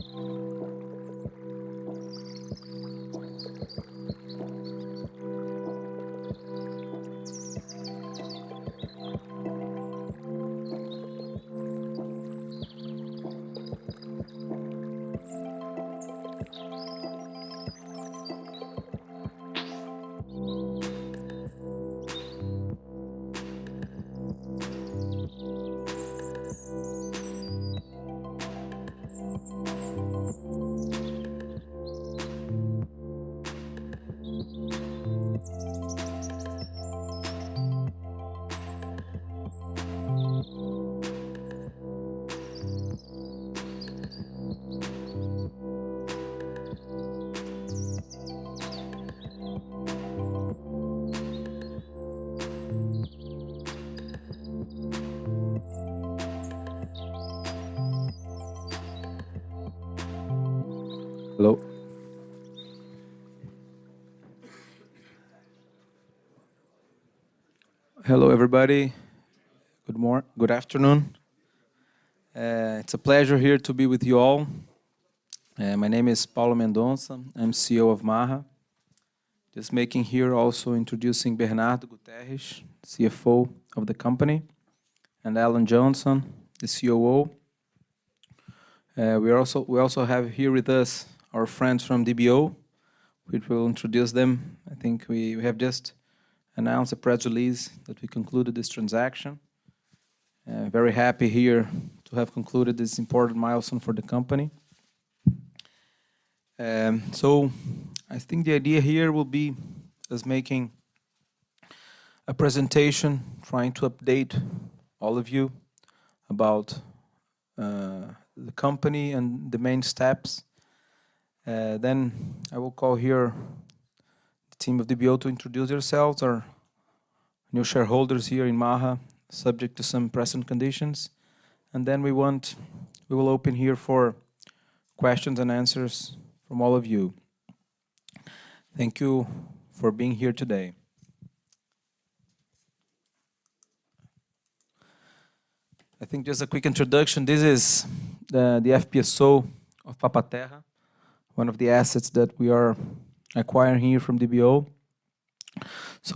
Hello. Hello, everybody. Good afternoon. It's a pleasure here to be with you all. My name is Paulo Mendonça. I'm CEO of Maha. Just making here also introducing Bernardo Guterres, CFO of the company, and Alan Johnson, the COO. We also have here with us our friends from DBO, which we will introduce them. I think we have just announced a press release that we concluded this transaction. Very happy here to have concluded this important milestone for the company. I think the idea here will be just making a presentation, trying to update all of you about the company and the main steps. I will call here the team of DBO to introduce yourselves, our new shareholders here in Maha, subject to some present conditions. We will open here for questions and answers from all of you. Thank you for being here today. I think just a quick introduction. This is the FPSO of Papa-Terra, one of the assets that we are acquiring here from DBO.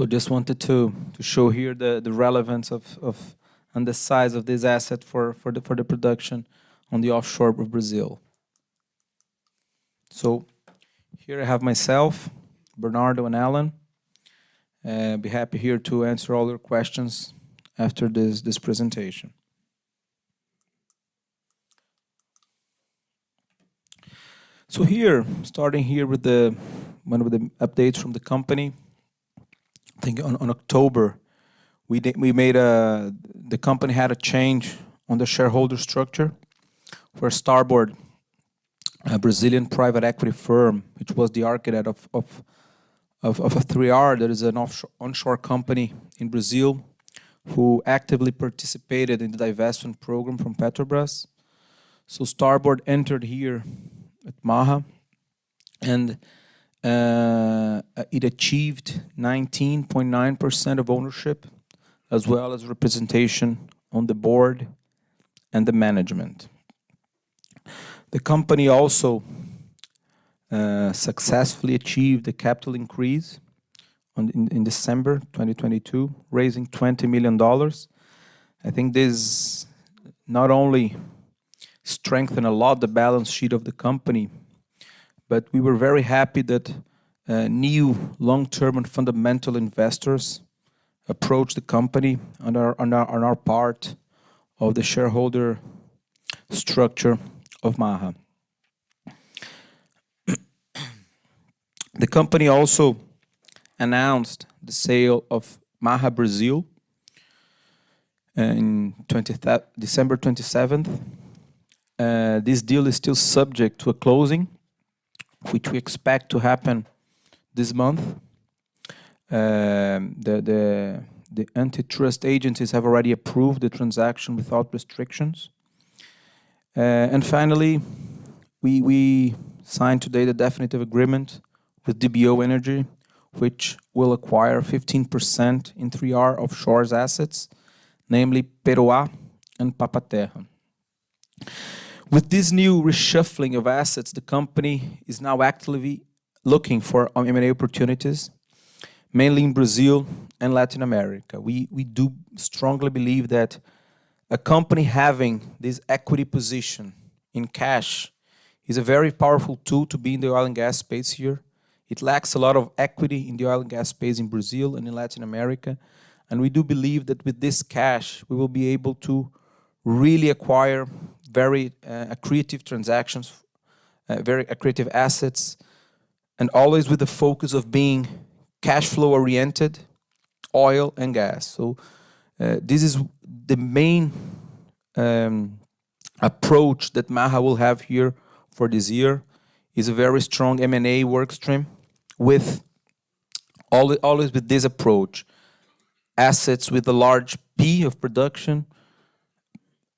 Just wanted to show here the relevance of and the size of this asset for the production on the offshore of Brazil. Here I have myself, Bernardo, and Alan. Be happy here to answer all your questions after this presentation. Here, starting here with one of the updates from the company. I think on October, we made a. The company had a change on the shareholder structure where Starboard, a Brazilian private equity firm, which was the archetype of a 3R, that is an offshore- onshore company in Brazil, who actively participated in the divestment program from Petrobras. Starboard entered here at Maha, and it achieved 19.9% of ownership as well as representation on the board and the management. The company also successfully achieved a capital increase in December 2022, raising $20 million. I think this not only strengthen a lot the balance sheet of the company, but we were very happy that new long-term and fundamental investors approached the company on our part of the shareholder structure of Maha. The company also announced the sale of Maha Brazil in December 27th. This deal is still subject to a closing, which we expect to happen this month. The antitrust agencies have already approved the transaction without restrictions. Finally, we signed today the definitive agreement with DBO Energy, which will acquire 15% in 3R Offshore's assets, namely Peroá and Papa Terra. With this new reshuffling of assets, the company is now actively looking for M&A opportunities, mainly in Brazil and Latin America. We do strongly believe that a company having this equity position in cash is a very powerful tool to be in the oil and gas space here. It lacks a lot of equity in the oil and gas space in Brazil and in Latin America. We do believe that with this cash, we will be able to really acquire very accretive transactions, very accretive assets, and always with the focus of being cash flow-oriented oil and gas. This is the main approach that Maha will have here for this year, is a very strong M&A work stream always with this approach: assets with a large P of production,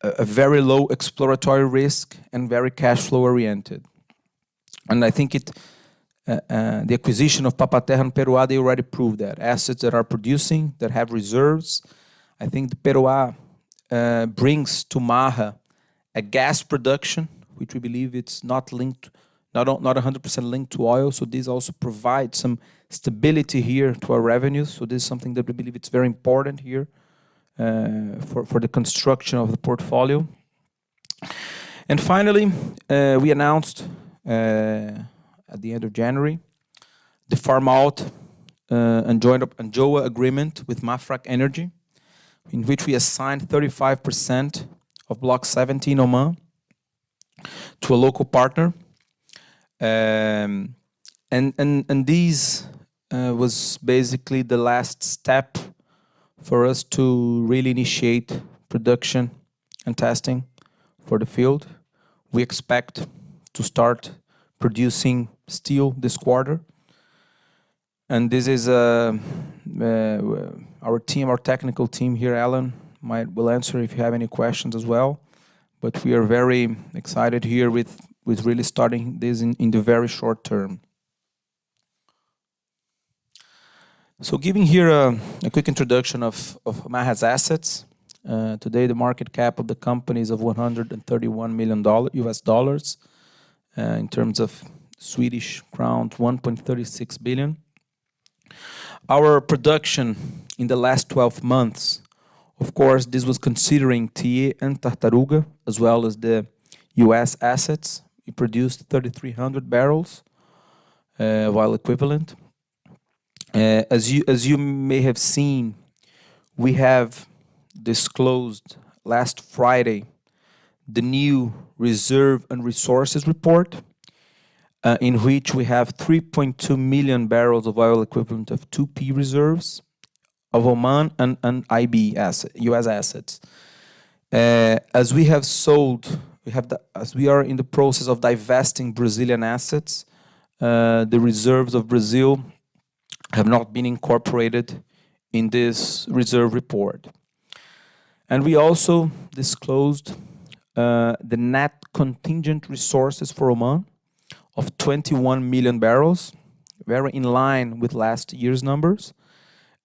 a very low exploratory risk, and very cash flow-oriented. I think it the acquisition of Papa Terra and Peroá, they already proved that. Assets that are producing, that have reserves. I think the Peroá brings to Maha a gas production, which we believe it's not linked, not 100% linked to oil, so this also provides some stability here to our revenues. This is something that we believe it's very important here, for the construction of the portfolio. Finally, we announced, at the end of January, the farm-out, and JOA agreement with Mafraq Energy, in which we assigned 35% of Block XVII Oman to a local partner. This, was basically the last step for us to really initiate production and testing for the field. We expect to start producing still this quarter. This is, our team, our technical team here, Alan will answer if you have any questions as well. We are very excited here with really starting this in the very short term. Giving here, a quick introduction of Maha's assets. Today, the market cap of the company is of $131 million US dollars. In terms of Swedish krona, 1.36 billion. Our production in the last 12 months, of course, this was considering Tiê and Tartaruga, as well as the US assets. We produced 3,300 barrels oil equivalent. As you may have seen, we have disclosed last Friday the new reserve and resources report, in which we have 3.2 million barrels of oil equivalent of 2P reserves of Oman and IB US assets. As we have sold, we have the... As we are in the process of divesting Brazilian assets, the reserves of Brazil have not been incorporated in this reserve report. we also disclosed the net contingent resources for Oman of 21 million barrels, very in line with last year's numbers.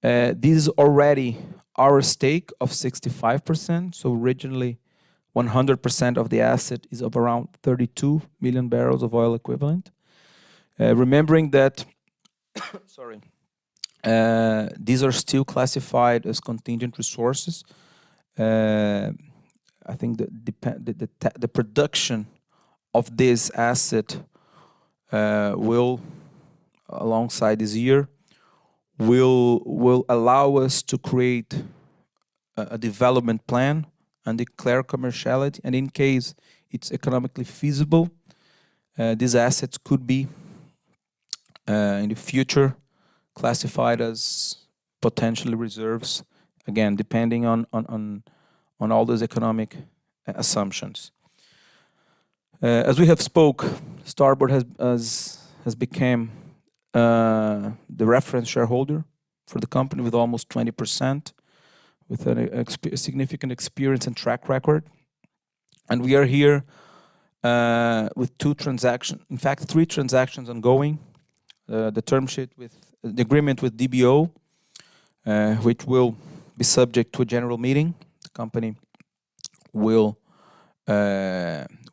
This is already our stake of 65%, so originally 100% of the asset is of around 32 million barrels of oil equivalent. remembering that, sorry, these are still classified as contingent resources. I think that the production of this asset will, alongside this year, will allow us to create a development plan and declare commerciality. in case it's economically feasible, these assets could be in the future classified as potential reserves, again, depending on all those economic assumptions. as we have spoke, Starboard has became the reference shareholder for the company with almost 20% with a significant experience and track record. We are here with 3 transactions ongoing. The agreement with DBO, which will be subject to a general meeting the company will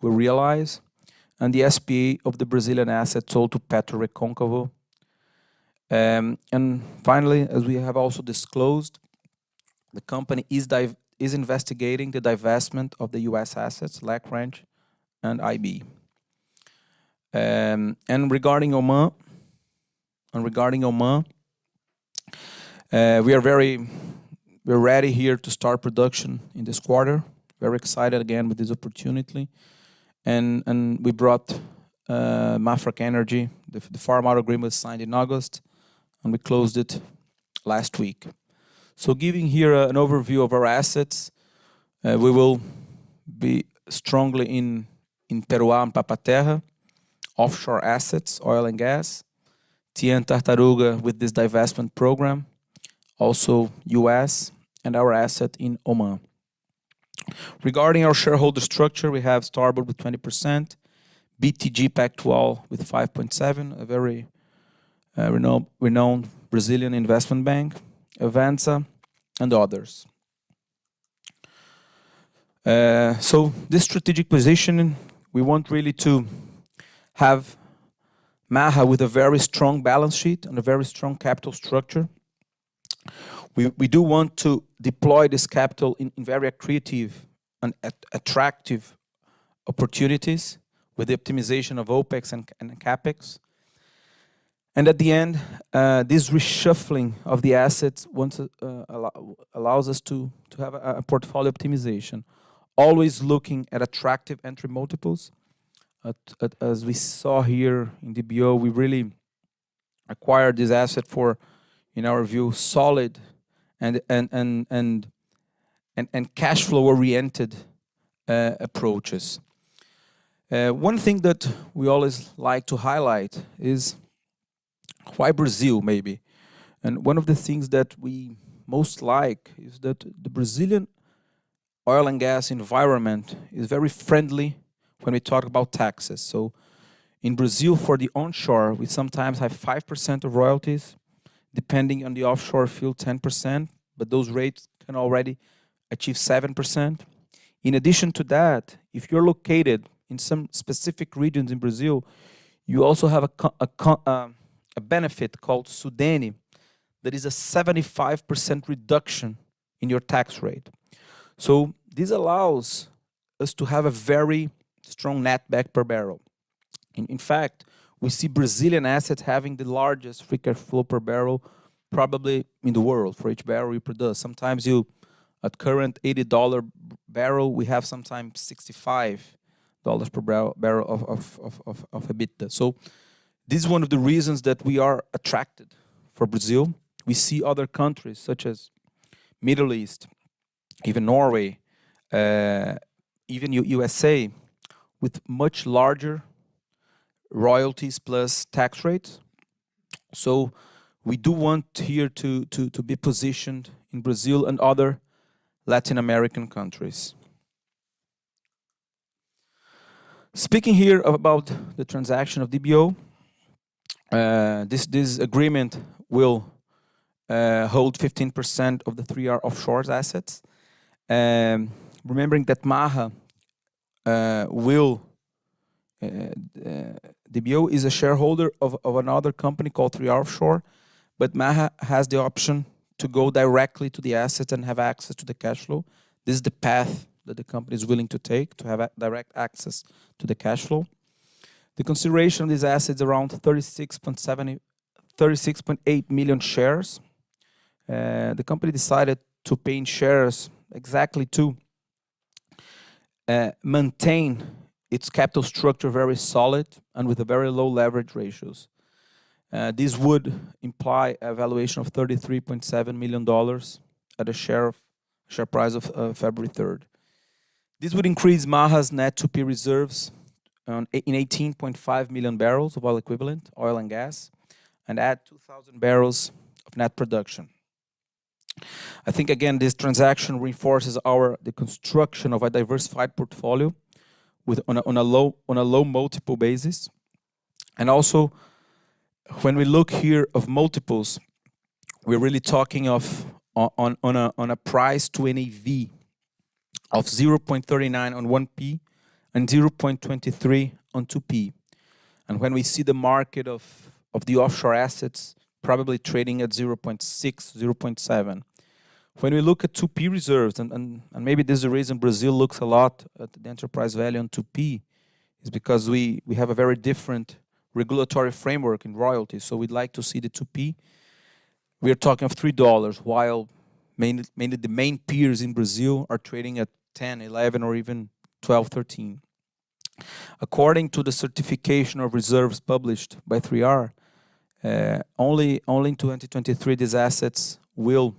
realize, and the SP of the Brazilian asset sold to PetroRecôncavo. Finally, as we have also disclosed, the company is investigating the divestment of the U.S. assets, LAK Ranch and IB. Regarding Oman, we're ready here to start production in this quarter. Very excited again with this opportunity and we brought Mafraq Energy, the farmout agreement signed in August, and we closed it last week. Giving here an overview of our assets, we will be strongly in Peroá and Papa Terra, offshore assets, oil and gas, Tiê Tartaruga with this divestment program, also U.S. and our asset in Oman. Regarding our shareholder structure, we have Starboard with 20%, BTG Pactual with 5.7%, a very renowned Brazilian investment bank, Avanza, and others. This strategic positioning, we want really to have Maha with a very strong balance sheet and a very strong capital structure. We do want to deploy this capital in very creative and attractive opportunities with the optimization of OpEx and CapEx. At the end, this reshuffling of the assets once allows us to have a portfolio optimization, always looking at attractive entry multiples. As we saw here in DBO, we really acquired this asset for, in our view, solid and cash flow-oriented approaches. One thing that we always like to highlight is why Brazil maybe. One of the things that we most like is that the Brazilian oil and gas environment is very friendly when we talk about taxes. In Brazil, for the onshore, we sometimes have 5% of royalties, depending on the offshore field, 10%, but those rates can already achieve 7%. In addition to that, if you're located in some specific regions in Brazil, you also have a benefit called SUDENE that is a 75% reduction in your tax rate. This allows us to have a very strong net back per barrel. In fact, we see Brazilian assets having the largest free cash flow per barrel probably in the world for each barrel we produce. Sometimes at current $80 barrel, we have sometimes $65 per barrel of EBITDA. This is one of the reasons that we are attracted for Brazil. We see other countries such as Middle East, even Norway, even U.S.A. with much larger royalties plus tax rates. We do want here to be positioned in Brazil and other Latin American countries. Speaking here about the transaction of DBO, this agreement will hold 15% of the 3R Offshore assets. Remembering that Maha will DBO is a shareholder of another company called 3R Offshore. Maha has the option to go directly to the asset and have access to the cash flow. This is the path that the company is willing to take to have a direct access to the cash flow. The consideration of this asset is around 36.8 million shares. The company decided to pay in shares exactly to maintain its capital structure very solid and with a very low leverage ratios. This would imply a valuation of $33.7 million at a share price of February third. This would increase Maha's net 2P reserves, 18.5 million barrels of oil equivalent, oil and gas, and add 2,000 barrels of net production. I think again, this transaction reinforces our the construction of a diversified portfolio with on a low multiple basis. Also, when we look here of multiples, we're really talking of a price to NAV of 0.39 on 1P and 0.23 on 2P. When we see the market of the offshore assets probably trading at 0.6, 0.7. When we look at 2P reserves, and maybe there's a reason Brazil looks a lot at the enterprise value on 2P, is because we have a very different regulatory framework in royalties. We'd like to see the 2P. We are talking of $3, while mainly the main peers in Brazil are trading at $10, $11, or even $12, $13. According to the certification of reserves published by 3R, only in 2023 these assets will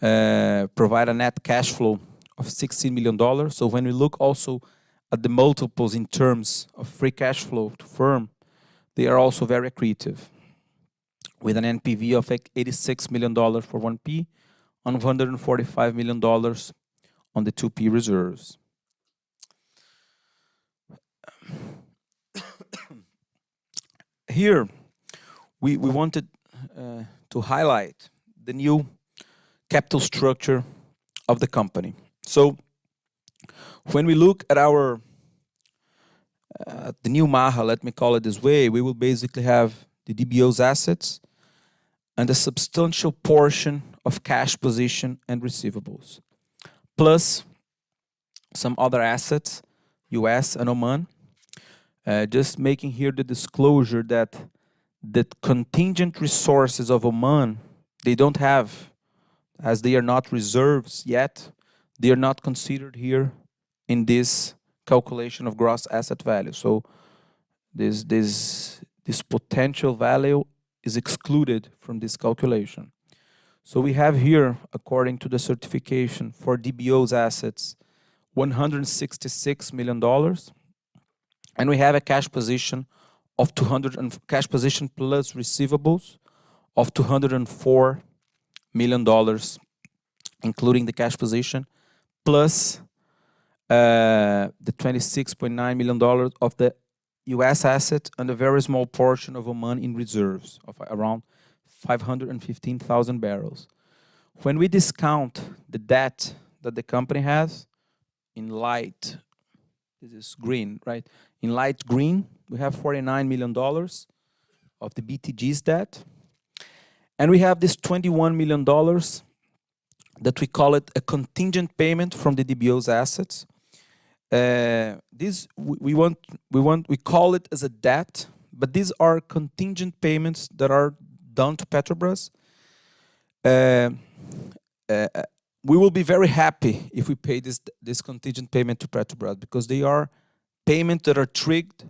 provide a net cash flow of $60 million. When we look also at the multiples in terms of free cash flow to firm, they are also very accretive, with an NPV of $86 million for 1P and $145 million on the 2P reserves. Here, we wanted to highlight the new capital structure of the company. When we look at our, the new Maha, let me call it this way, we will basically have the DBO's assets and a substantial portion of cash position and receivables, plus some other assets, US and Oman. Just making here the disclosure that the contingent resources of Oman, they don't have, as they are not reserves yet, they are not considered here in this calculation of gross asset value. This potential value is excluded from this calculation. We have here, according to the certification for DBO's assets, $166 million, and we have a cash position plus receivables of $204 million, including the cash position, plus the $26.9 million of the U.S. asset and a very small portion of Oman in reserves of around 515,000 barrels. When we discount the debt that the company has in light, this is green, right? In light green, we have $49 million of the BTG's debt. We have this $21 million that we call it a contingent payment from the DBO's assets. This we want, we call it as a debt, but these are contingent payments that are down to Petrobras. We will be very happy if we pay this contingent payment to Petrobras because they are payment that are triggered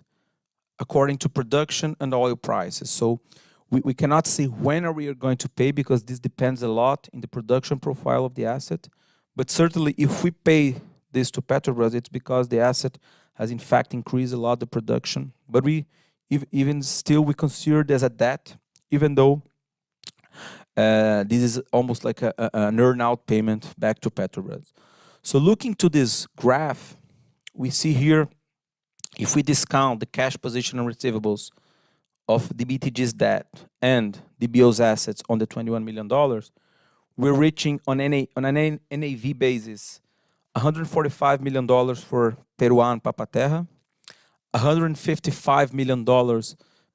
according to production and oil prices. We cannot say when are we going to pay because this depends a lot in the production profile of the asset. Certainly, if we pay this to Petrobras, it's because the asset has in fact increased a lot the production. We even still we consider it as a debt, even though this is almost like an earn-out payment back to Petrobras. Looking to this graph, we see here, if we discount the cash position and receivables of the BTG's debt and DBO's assets on the $21 million, we're reaching on any, on an N-NAV basis $145 million for Peroá and Papa Terra, $155 million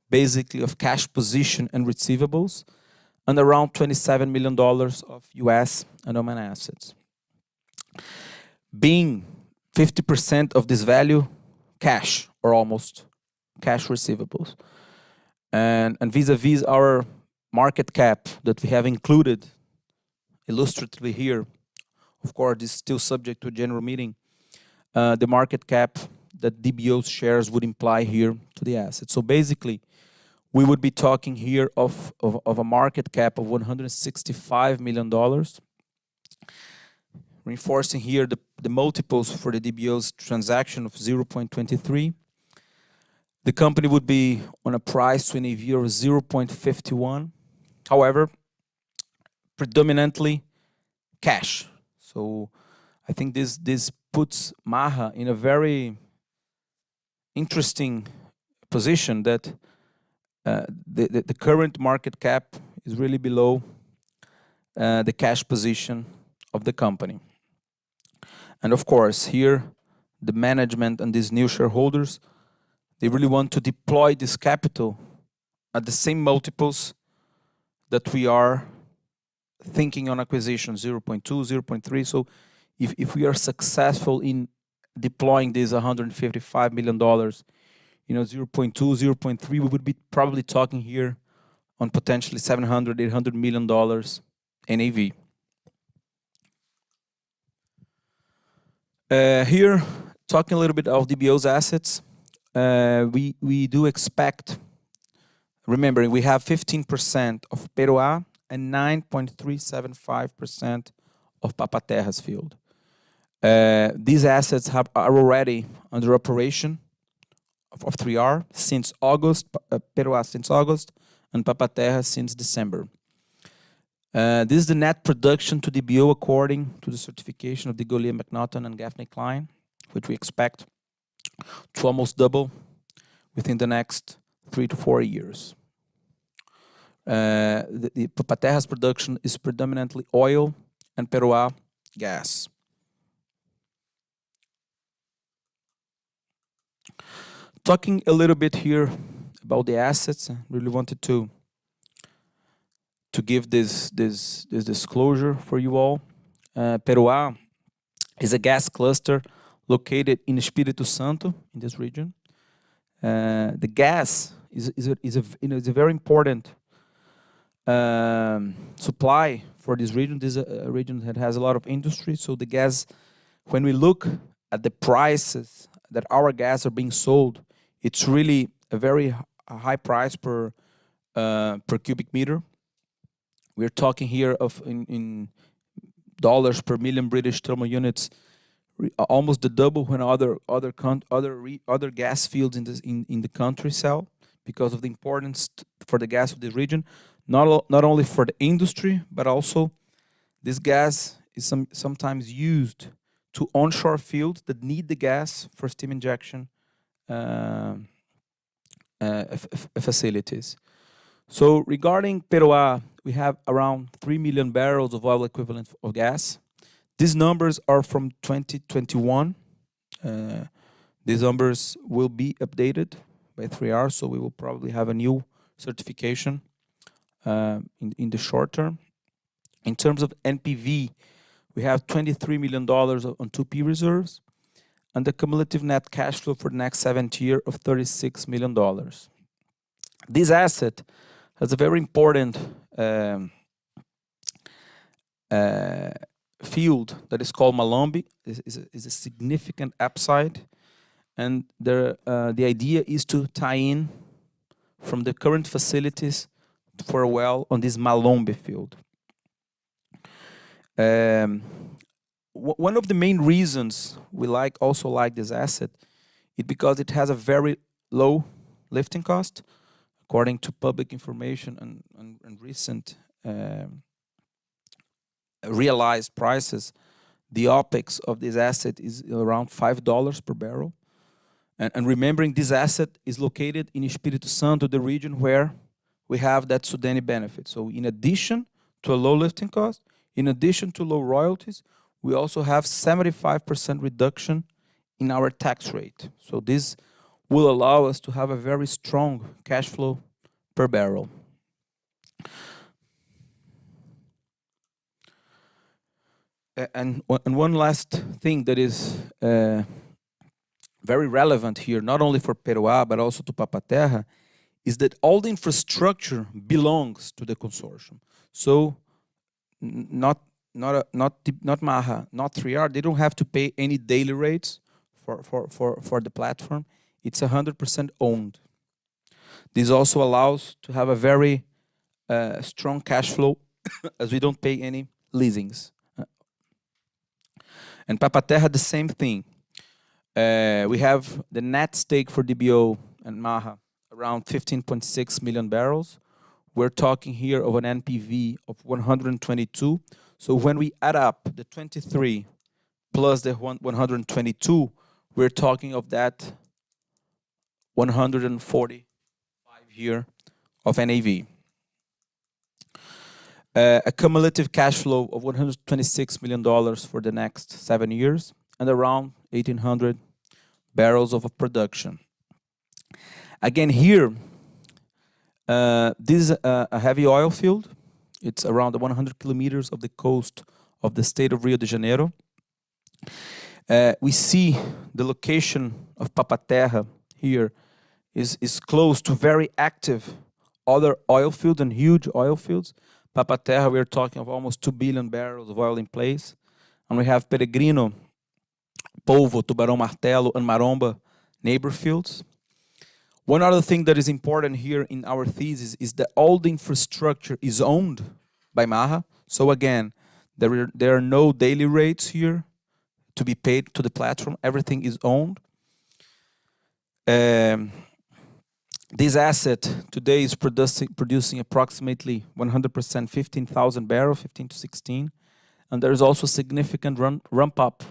basically of cash position and receivables, and around $27 million of U.S. and Oman assets. Being 50% of this value, cash or almost cash receivables. Vis-à-vis our market cap that we have included illustratively here, of course, is still subject to a general meeting, the market cap that DBO's shares would imply here to the asset. Basically, we would be talking here of a market cap of $165 million. Reinforcing here the multiples for the DBO's transaction of 0.23. The company would be on a price to NAV of 0.51. However, predominantly cash. I think this puts Maha in a very interesting position that the current market cap is really below the cash position of the company. Of course, here, the management and these new shareholders, they really want to deploy this capital at the same multiples that we are thinking on acquisition, 0.2, 0.3. If we are successful in deploying this $155 million, you know, 0.2, 0.3, we would be probably talking here on potentially $700 million-$800 million NAV. Here, talking a little bit of DBO's assets, we do expect... Remembering we have 15% of Peroá and 9.375% of Papa Terra's field. These assets are already under operation of 3R since August, Peroá since August, and Papa Terra since December. This is the net production to DBO according to the certification of the DeGolyer and MacNaughton and Gaffney, Cline & Associates, which we expect to almost double within the next 3-4 years. The Papa Terra's production is predominantly oil and Peroá gas. Talking a little bit here about the assets. I really wanted to give this disclosure for you all. Peroá is a gas cluster located in Espírito Santo, in this region. The gas is, you know, a very important supply for this region. This a region that has a lot of industry, so the gas... When we look at the prices that our gas are being sold, it's really a very high price per cubic meter. We're talking here of in $ per million British thermal units, almost the double when other gas fields in this, in the country sell because of the importance for the gas of this region. Not only for the industry, but also this gas is sometimes used to onshore fields that need the gas for steam injection facilities. Regarding Peroá, we have around 3 million barrels of oil equivalent of gas. These numbers are from 2021. These numbers will be updated by 3R, so we will probably have a new certification in the short term. In terms of NPV, we have $23 million on 2P reserves, and the cumulative net cash flow for the next 7 years of $36 million. This asset has a very important field that is called Malombe. Is a significant upside, and the idea is to tie in from the current facilities for a well on this Malombe field. One of the main reasons we like, also like this asset is because it has a very low lifting cost. According to public information and recent realized prices, the OPEX of this asset is around $5 per barrel. Remembering this asset is located in Espírito Santo, the region where we have that Sudene benefit. In addition to a low lifting cost, in addition to low royalties, we also have 75% reduction in our tax rate. This will allow us to have a very strong cash flow per barrel. One last thing that is very relevant here, not only for Peroá but also to Papa Terra, is that all the infrastructure belongs to the consortium. Not Maha, not 3R, they don't have to pay any daily rates for the platform. It's 100% owned. This also allows to have a very strong cash flow as we don't pay any leasings. Papa Terra, the same thing. We have the net stake for DBO and Maha, around 15.6 million barrels. We're talking here of an NPV of $122 million. When we add up the $23 million plus the $122 million, we're talking of that $145 million year of NAV. A cumulative cash flow of $126 million for the next seven years, and around 1,800 barrels of production. Again, here, this is a heavy oil field. It's around the 100 km of the coast of the state of Rio de Janeiro. We see the location of Papa Terra here is close to very active other oil fields and huge oil fields. Papa Terra, we are talking of almost 2 billion barrels of oil in place, and we have Peregrino, Polvo, Tubarão Martelo, and Maromba neighbor fields. One other thing that is important here in our thesis is that all the infrastructure is owned by Maha. Again, there are no daily rates here to be paid to the platform. Everything is owned. This asset today is producing approximately one hundred percent, 15,000 barrel, 15-16, and there is also significant ramp up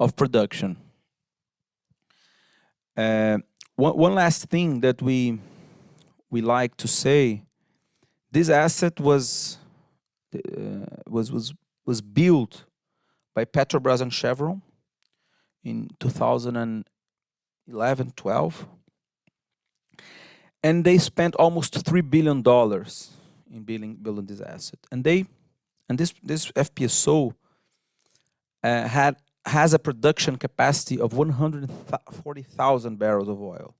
of production. One last thing that we like to say, this asset was built by Petrobras and Chevron in 2011, 2012, and they spent almost $3 billion in building this asset. This FPSO has a production capacity of 140,000 barrels of oil,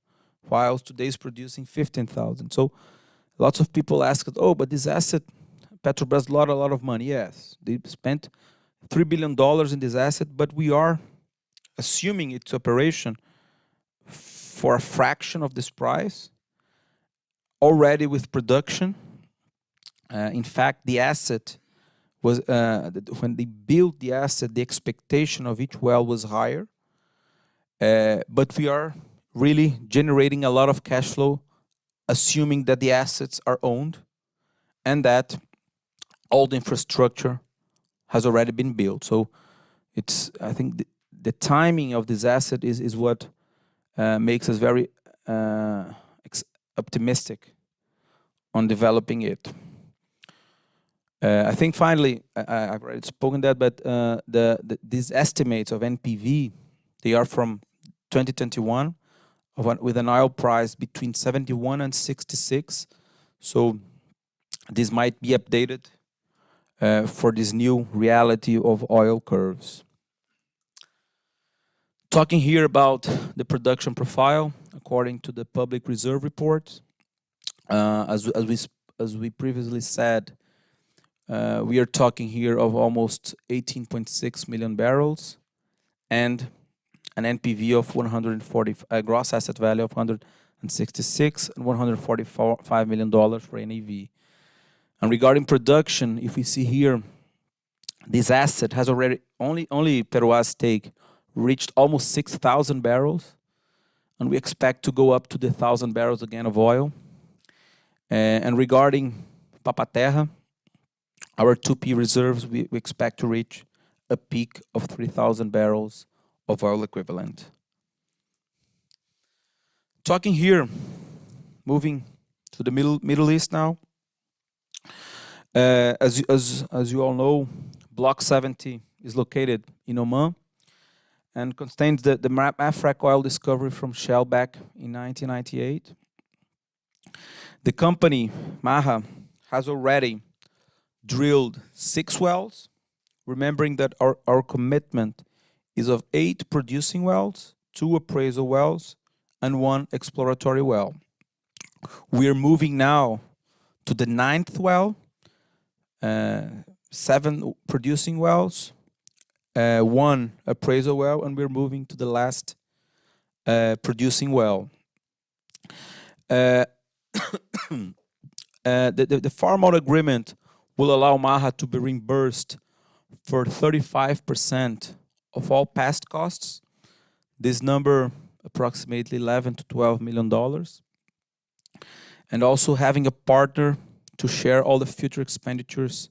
while today it's producing 15,000. Lots of people ask, "Oh, but this asset, Petrobras lost a lot of money." Yes, they spent $3 billion in this asset, but we are assuming its operation for a fraction of this price already with production. In fact, the asset was when they built the asset, the expectation of each well was higher. We are really generating a lot of cash flow, assuming that the assets are owned and that all the infrastructure has already been built. I think the timing of this asset is what makes us very optimistic on developing it. I think finally, I've already spoken that, but these estimates of NPV, they are from 2021 with an oil price between $71 and $66. This might be updated for this new reality of oil curves. Talking here about the production profile according to the public reserve report, as we previously said, we are talking here of almost 18.6 million barrels and an NPV of a gross asset value of $166 million, and $145 million for NAV. Regarding production, if you see here, only Peroá's stake reached almost 6,000 barrels, and we expect to go up to the 1,000 barrels again of oil. Regarding Papa Terra, our 2P reserves, we expect to reach a peak of 3,000 barrels of oil equivalent. Talking here, moving to the Middle East now. As you all know, Block 70 is located in Oman and contains the Mafraq oil discovery from Shell back in 1998. The company, Maha, has already drilled 6 wells, remembering that our commitment is of 8 producing wells, 2 appraisal wells, and 1 exploratory well. We are moving now to the 9th well. 7 producing wells, 1 appraisal well, and we're moving to the last producing well. The farm-out agreement will allow Maha to be reimbursed for 35% of all past costs. This number approximately $11 million-$12 million. Also having a partner to share all the future expenditures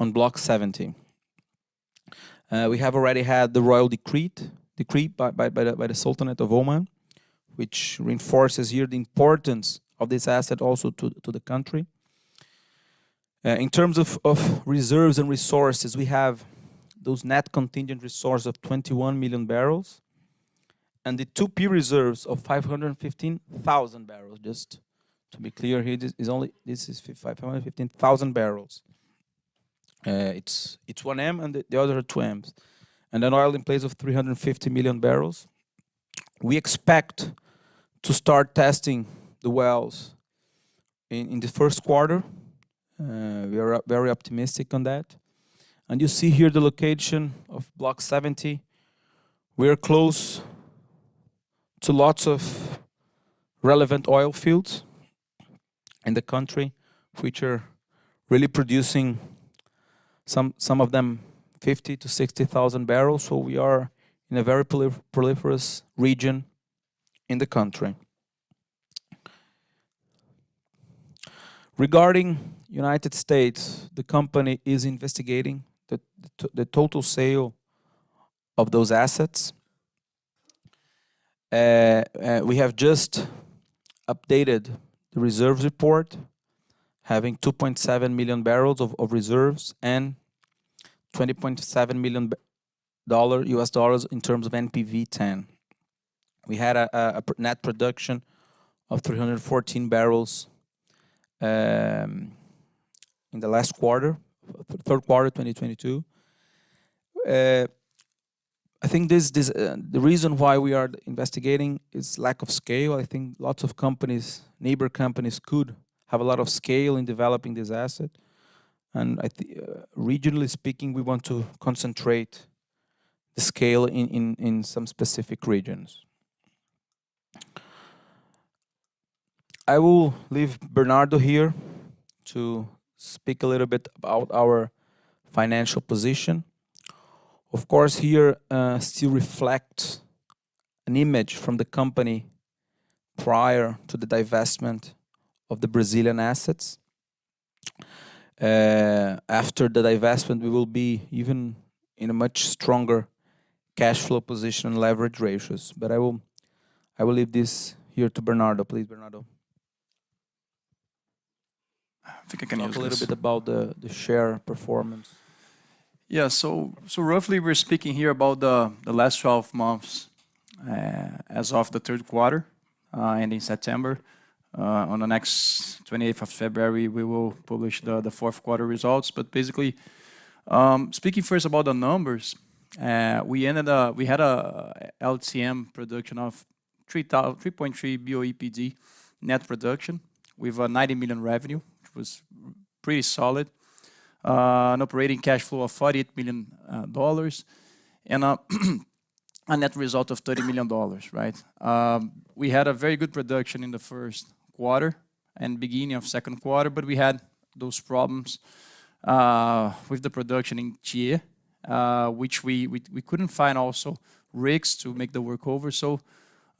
on Block 70. We have already had the royal decree by the Sultanate of Oman, which reinforces here the importance of this asset also to the country. In terms of reserves and resources, we have those net contingent resource of 21 million barrels, and the 2P reserves of 515,000 barrels. Just to be clear here, this is 515,000 barrels. It's 1 M and the other are 2 Ms. An oil in place of 350 million barrels. We expect to start testing the wells in the first quarter. We are very optimistic on that. You see here the location of Block 70. We are close to lots of relevant oil fields in the country, which are really producing some of them 50,000-60,000 barrels. We are in a very proliferous region in the country. Regarding United States, the company is investigating the total sale of those assets. We have just updated the reserves report, having 2.7 million barrels of reserves and $20.7 million in terms of NPV10. We had a net production of 314 barrels in the last quarter, third quarter, 2022. I think this is the reason why we are investigating is lack of scale. I think lots of companies, neighbor companies could have a lot of scale in developing this asset. Regionally speaking, we want to concentrate the scale in some specific regions. I will leave Bernardo here to speak a little bit about our financial position. Of course, here, still reflect an image from the company prior to the divestment of the Brazilian assets. After the divestment, we will be even in a much stronger cash flow position and leverage ratios. I will leave this here to Bernardo. Please, Bernardo. I think I can use this. Talk a little bit about the share performance. Yeah. Roughly we're speaking here about the last 12 months, as of the third quarter, ending September. On the next 28th of February, we will publish the fourth quarter results. Basically, speaking first about the numbers, we had a LTM production of 3.3 BOEPD net production with a $90 million revenue, which was pretty solid. An operating cash flow of $48 million and a net result of $30 million, right? We had a very good production in the first quarter and beginning of second quarter, we had those problems with the production in Tiê, which we couldn't find also rigs to make the work over.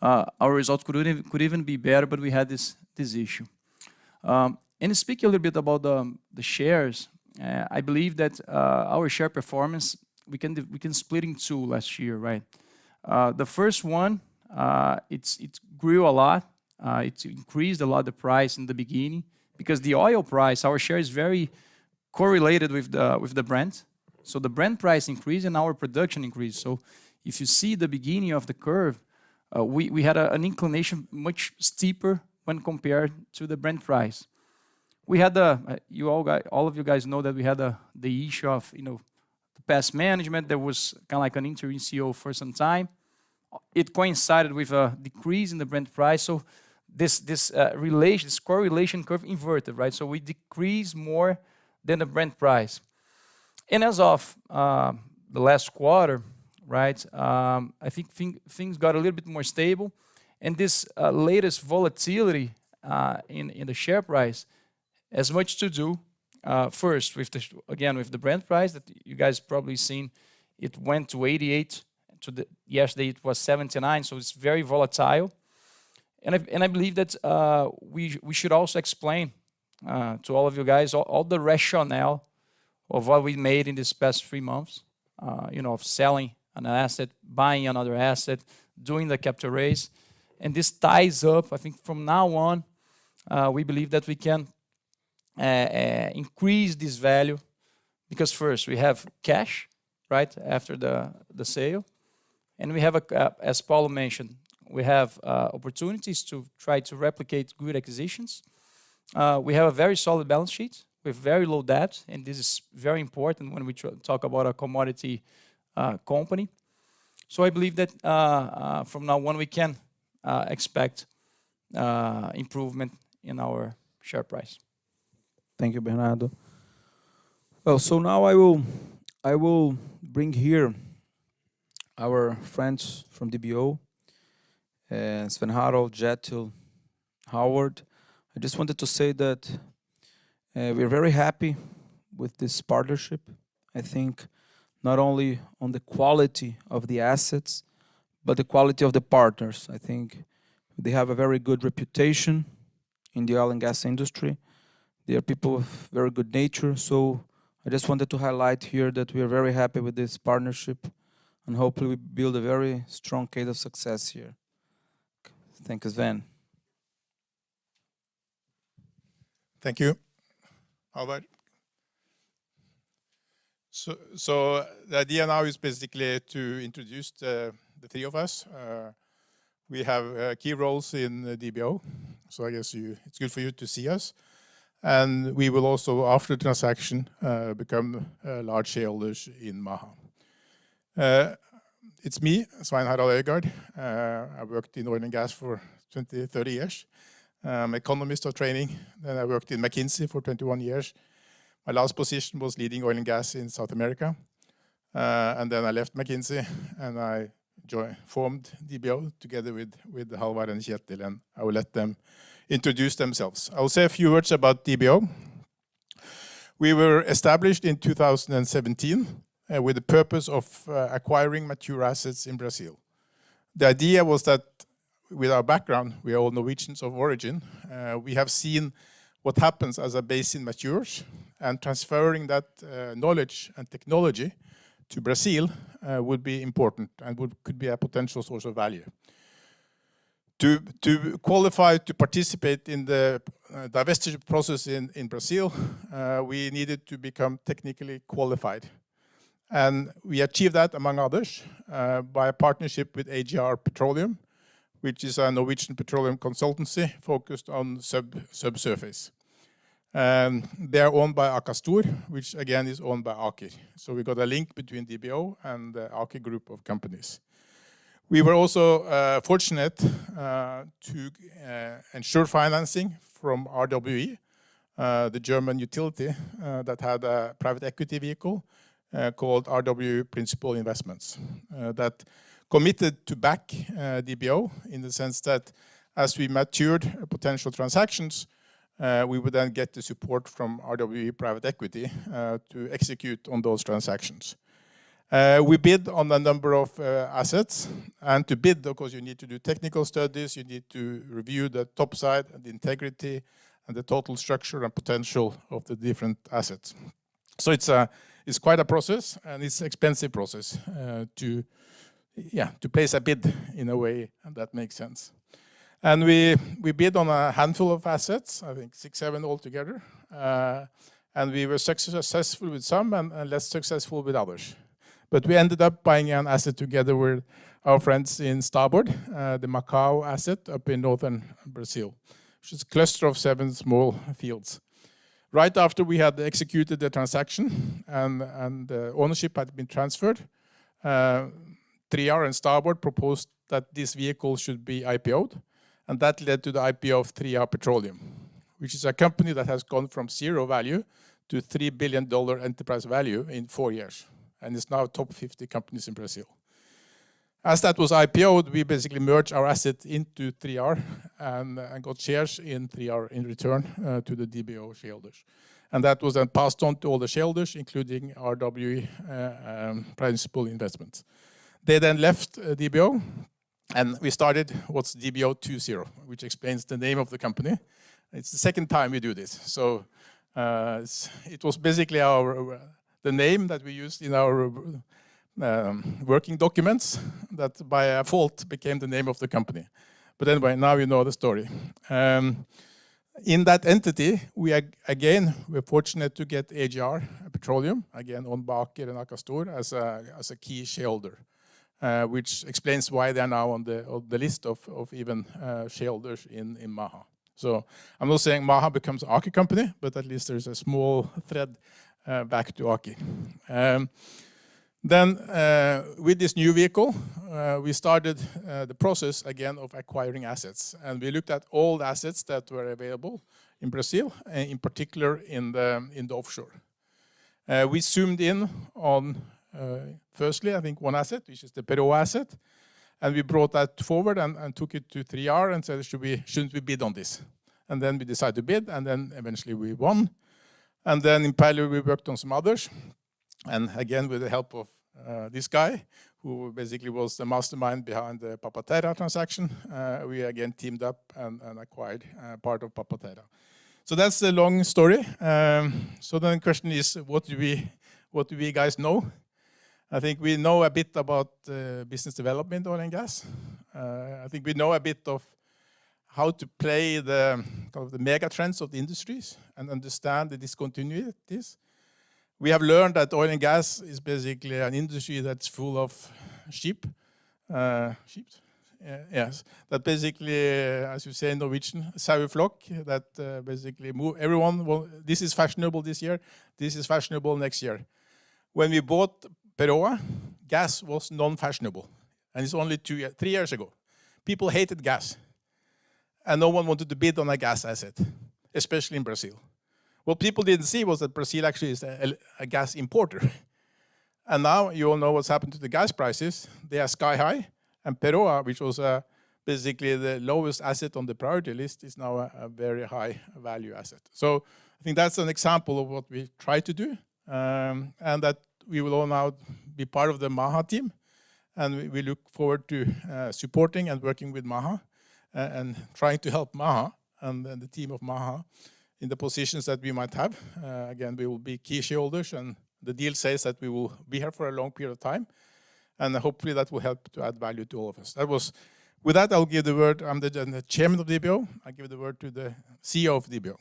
Our result could even be better, we had this issue. Speaking a little bit about the shares, I believe that our share performance, we can split in two last year, right? The first one, it grew a lot. It increased a lot the price in the beginning because the oil price, our share is very correlated with the Brent. The Brent price increase and our production increase. If you see the beginning of the curve, we had an inclination much steeper when compared to the Brent price. We had, you all of you guys know that we had the issue of, you know, the past management that was kinda like an interim CEO for some time. It coincided with a decrease in the Brent price, this relation, this correlation curve inverted, right? We decrease more than the Brent price. As of the last quarter, right, I think things got a little bit more stable. This latest volatility in the share price has much to do first with the, again, with the Brent price that you guys probably seen. It went to $88. Yesterday it was $79, it's very volatile. I believe that we should also explain to all of you guys all the rationale of what we made in this past 3 months, you know, of selling an asset, buying another asset, doing the capital raise, this ties up. I think from now on, we believe that we can increase this value because first we have cash, right, after the sale, and we have as Paulo mentioned, we have opportunities to try to replicate good acquisitions. We have a very solid balance sheet with very low debt, and this is very important when we talk about a commodity company. I believe that from now on we can expect improvement in our share price. Thank you, Bernardo. Well, now I will bring here our friends from DBO, Svein Harald, Kjetil, Halvard. I just wanted to say that we're very happy with this partnership, I think, not only on the quality of the assets, but the quality of the partners. I think they have a very good reputation in the oil and gas industry. They are people of very good nature, so I just wanted to highlight here that we are very happy with this partnership, and hopefully we build a very strong case of success here. Thank you, Svein. Thank you. Halvard. The idea now is basically to introduce the three of us. We have key roles in DBO, so I guess you, it's good for you to see us. We will also, after the transaction, become large shareholders in Maha. It's me, Svein Harald Øygard. I worked in oil and gas for 20, 30 years. I'm economist of training, then I worked in McKinsey for 21 years. My last position was leading oil and gas in South America. I left McKinsey, and I joined, formed DBO together with Halvard and Kjetil, and I will let them introduce themselves. I will say a few words about DBO. We were established in 2017 with the purpose of acquiring mature assets in Brazil. The idea was that with our background, we are all Norwegians of origin, we have seen what happens as a basin matures, and transferring that knowledge and technology to Brazil, would be important and could be a potential source of value. To qualify to participate in the divestiture process in Brazil, we needed to become technically qualified. We achieved that, among others, by a partnership with AGR Petroleum, which is a Norwegian petroleum consultancy focused on subsurface. They are owned by Akastor, which again is owned by Aker. We got a link between DBO and the Aker group of companies. We were also fortunate to ensure financing from RWE, the German utility, that had a private equity vehicle called RWE Principal Investments, that committed to back DBO in the sense that as we matured potential transactions, we would then get the support from RWE Private Equity to execute on those transactions. We bid on a number of assets, and to bid, of course, you need to do technical studies, you need to review the top side, the integrity, and the total structure and potential of the different assets. It's quite a process, and it's expensive process to place a bid in a way that makes sense. We bid on a handful of assets, I think 6, 7 altogether. We were successful with some and less successful with others. We ended up buying an asset together with our friends in Starboard, the Macaú asset up in northern Brazil, which is a cluster of seven small fields. Right after we had executed the transaction and ownership had been transferred, 3R and Starboard proposed that this vehicle should be IPO'd, and that led to the IPO of 3R Petroleum, which is a company that has gone from zero value to $3 billion enterprise value in four years, and is now top 50 companies in Brazil. As that was IPO'd, we basically merged our asset into 3R and got shares in 3R in return to the DBO shareholders. That was then passed on to all the shareholders, including RWE Principal Investments. They left DBO and we started what's DBO 2.0, which explains the name of the company. It's the second time we do this. It was basically our, the name that we used in our working documents that by a fault became the name of the company. Anyway, now you know the story. In that entity, we again, we're fortunate to get AGR, again, on Aker and Akastor as a key shareholder, which explains why they are now on the list of even shareholders in Maha. I'm not saying Maha becomes Aker company, but at least there's a small thread back to Aker. With this new vehicle, we started the process again of acquiring assets. We looked at all assets that were available in Brazil, in particular in the offshore. We zoomed in on, firstly, I think one asset, which is the Peroá asset, and we brought that forward and took it to 3R and said, "Shouldn't we bid on this?" We decided to bid. Eventually we won. In parallel, we worked on some others. Again, with the help of this guy, who basically was the mastermind behind the Papa Terra transaction, we again teamed up and acquired part of Papa Terra. That's the long story. The question is what do we guys know? I think we know a bit about business development, oil and gas. I think we know a bit of how to play the, kind of the mega trends of the industries and understand the discontinuities. We have learned that oil and gas is basically an industry that's full of ship, ships. Yes. That basically, as you say in Norwegian, that basically move everyone. Well, this is fashionable this year. This is fashionable next year. When we bought Peroá, gas was non-fashionable, and it's only 3 years ago. People hated gas, and no one wanted to bid on a gas asset, especially in Brazil. What people didn't see was that Brazil actually is a gas importer. Now you all know what's happened to the gas prices. They are sky high, Pero, which was basically the lowest asset on the priority list, is now a very high value asset. I think that's an example of what we've tried to do, that we will all now be part of the Maha team, and we look forward to supporting and working with Maha and trying to help Maha and the team of Maha in the positions that we might have. We will be key shareholders, the deal says that we will be here for a long period of time, hopefully, that will help to add value to all of us. With that, I'll give the word. I'm the chairman of DBO. I give the word to the CEO of DBO.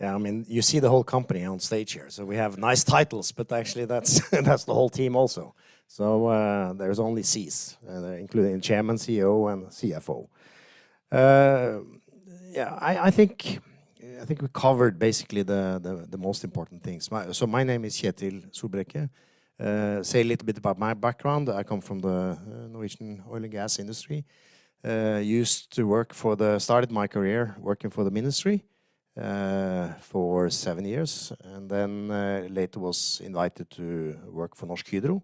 Yeah. I mean, you see the whole company on stage here, so we have nice titles, but actually that's the whole team also. There's only Cs, including chairman, CEO, and CFO. I think we covered basically the most important things. My name is Kjetil Solbrække. Say a little bit about my background. I come from the Norwegian oil and gas industry. I used to work for the ministry for seven years. Later was invited to work for Norsk Hydro,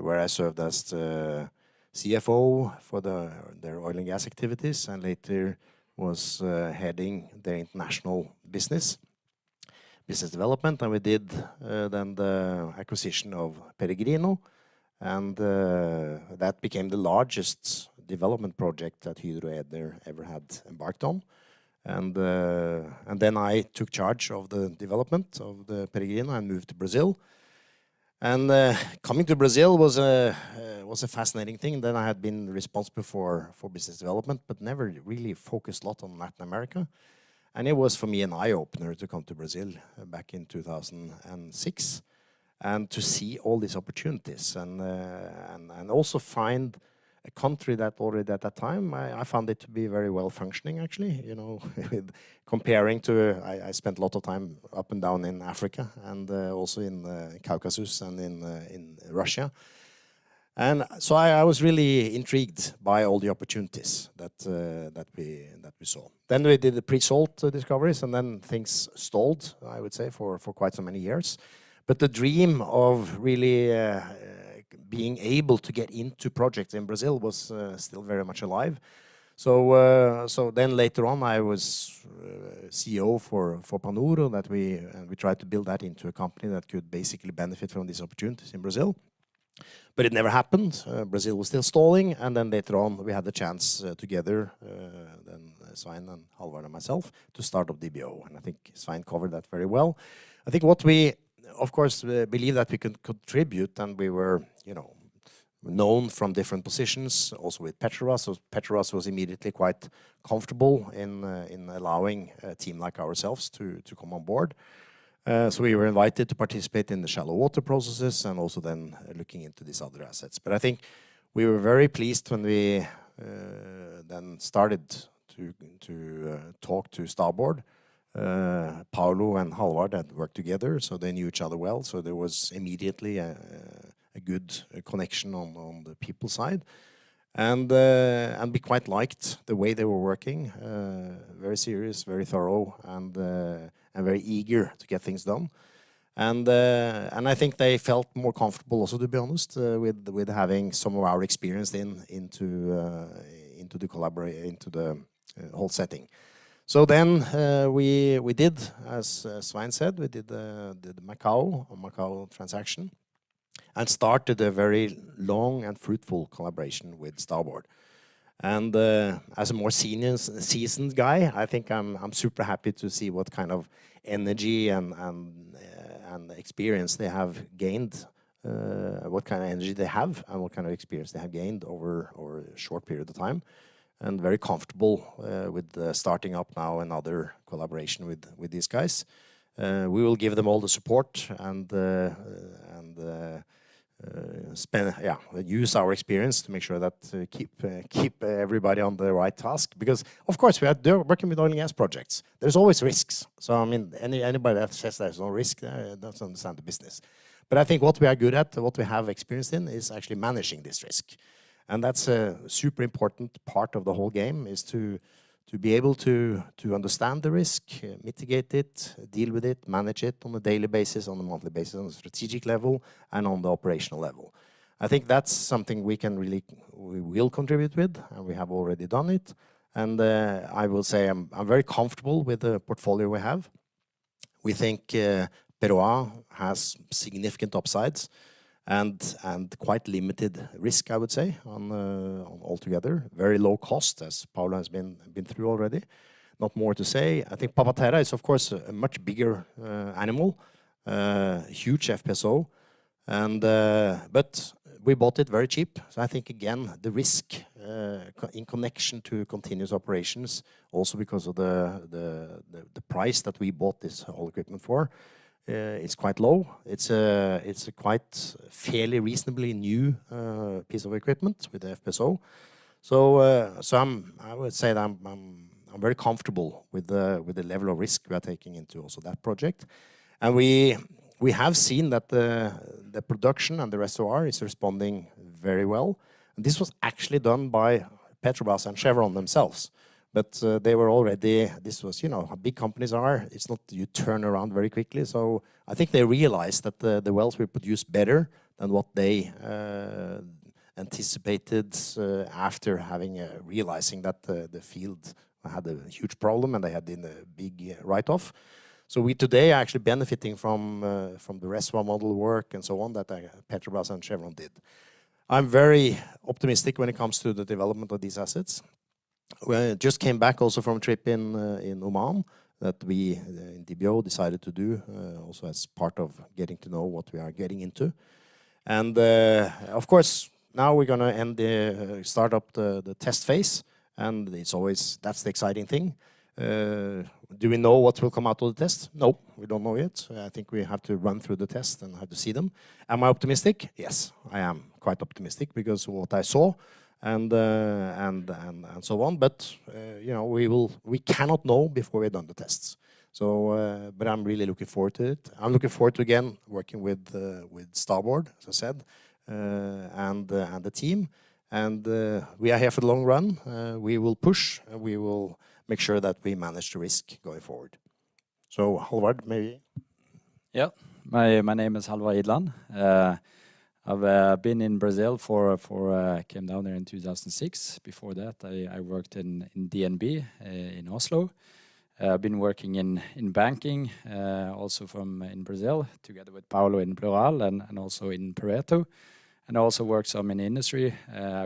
where I served as the CFO for their oil and gas activities and later was heading the international business development. We did then the acquisition of Peregrino, that became the largest development project that Hydro ever had embarked on. Then I took charge of the development of the Peregrino and moved to Brazil. Coming to Brazil was a fascinating thing. Then I had been responsible for business development but never really focused a lot on Latin America. It was for me an eye-opener to come to Brazil back in 2006 and to see all these opportunities and also find a country that already at that time I found it to be very well-functioning actually, you know, comparing to... I spent a lot of time up and down in Africa and also in the Caucasus and in Russia. I was really intrigued by all the opportunities that we, that we saw. We did the pre-salt discoveries, and then things stalled, I would say, for quite so many years. The dream of really, being able to get into projects in Brazil was still very much alive. Later on I was CEO for Panoro, that we... We tried to build that into a company that could basically benefit from these opportunities in Brazil, but it never happened. Brazil was still stalling, later on we had the chance together, then Svein and Halvard and myself to start up DBO, and I think Svein covered that very well. I think what we of course believe that we could contribute, and we were, you know, known from different positions also with Petrobras. Petrobras was immediately quite comfortable in allowing a team like ourselves to come on board. We were invited to participate in the shallow water processes and also then looking into these other assets. I think we were very pleased when we then started to talk to Starboard. Paulo and Hallvard had worked together, so they knew each other well, so there was immediately a good connection on the people side. We quite liked the way they were working, very serious, very thorough, and very eager to get things done. I think they felt more comfortable also, to be honest, with having some of our experience into the whole setting. We did, as Svein said, we did the Macau transaction, and started a very long and fruitful collaboration with Starboard. As a more seasoned guy, I think I'm super happy to see what kind of energy and experience they have gained, what kind of energy they have, and what kind of experience they have gained over a short period of time, and very comfortable with the starting up now another collaboration with these guys. We will give them all the support and spend... Yeah, use our experience to make sure that, to keep everybody on the right task because, of course, we are working with oil and gas projects. There's always risks. I mean, anybody that says there's no risk, doesn't understand the business. I think what we are good at and what we have experience in is actually managing this risk, and that's a super important part of the whole game, is to be able to understand the risk, mitigate it, deal with it, manage it on a daily basis, on a monthly basis, on a strategic level, and on the operational level. I think that's something we can really we will contribute with, we have already done it, I will say I'm very comfortable with the portfolio we have. We think Peroá has significant upsides and quite limited risk, I would say, on altogether. Very low cost, as Paulo has been through already. Not more to say. I think Papa Terra is, of course, a much bigger animal, huge FPSO and. We bought it very cheap, so I think again, the risk in connection to continuous operations also because of the price that we bought this whole equipment for is quite low. It's a quite fairly reasonably new piece of equipment with the FPSO. I would say that I'm very comfortable with the level of risk we are taking into also that project. We have seen that the production and the SOR is responding very well. This was actually done by Petrobras and Chevron themselves. This was, you know how big companies are. It's not you turn around very quickly. I think they realized that the wells will produce better than what they anticipated after having realizing that the field had a huge problem and they had then a big write-off. We today are actually benefiting from from the rest of our model work and so on that Petrobras and Chevron did. I'm very optimistic when it comes to the development of these assets. We just came back also from a trip in Oman that we in DBO decided to do also as part of getting to know what we are getting into. Of course now we're gonna end. start up the test phase. That's the exciting thing. Do we know what will come out of the test? Nope, we don't know yet. I think we have to run through the test and have to see them. Am I optimistic? Yes, I am quite optimistic because what I saw and so on. You know, we cannot know before we've done the tests. But I'm really looking forward to it. I'm looking forward to, again, working with Starboard, as I said, and the team. We are here for the long run. We will push, and we will make sure that we manage the risk going forward. Hallvard, maybe. My name is Hallvard Idland. I've been in Brazil for came down there in 2006. Before that, I worked in DNB in Oslo. Been working in banking also in Brazil together with Paulo in Perual and also in Pereto, and also worked some in industry.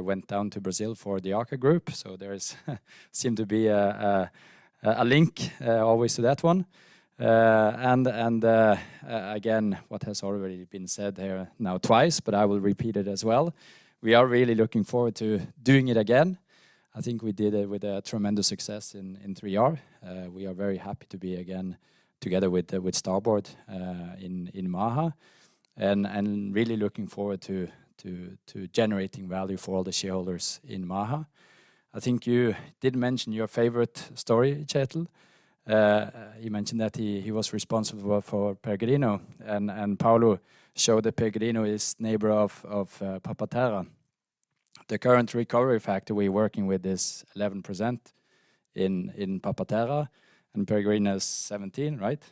Went down to Brazil for the ACA group, there is seem to be a link always to that one. And again, what has already been said here now twice, I will repeat it as well, we are really looking forward to doing it again. I think we did it with a tremendous success in 3R. We are very happy to be again together with Starboard in Maha and really looking forward to generating value for all the shareholders in Maha. I think you did mention your favorite story, Kjetil. You mentioned that he was responsible for Peregrino and Paulo showed that Peregrino is neighbor of Papa Terra. The current recovery factor we're working with is 11% in Papa Terra, and Peregrino is 17, right?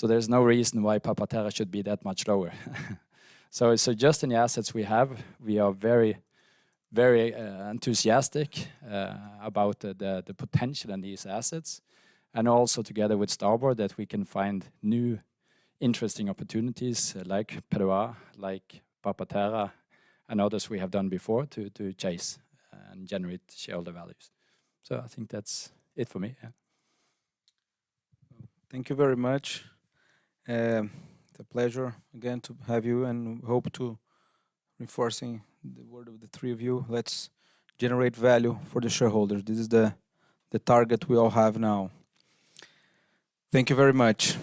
There's no reason why Papa Terra should be that much lower. Just in the assets we have, we are very enthusiastic about the potential in these assets, and also together with Starboard, that we can find new interesting opportunities like Perual, like Papa Terra, and others we have done before to chase and generate shareholder values. I think that's it for me, yeah. Thank you very much. It's a pleasure again to have you and hope to reinforcing the word of the three of you. Let's generate value for the shareholders. This is the target we all have now. Thank you very much.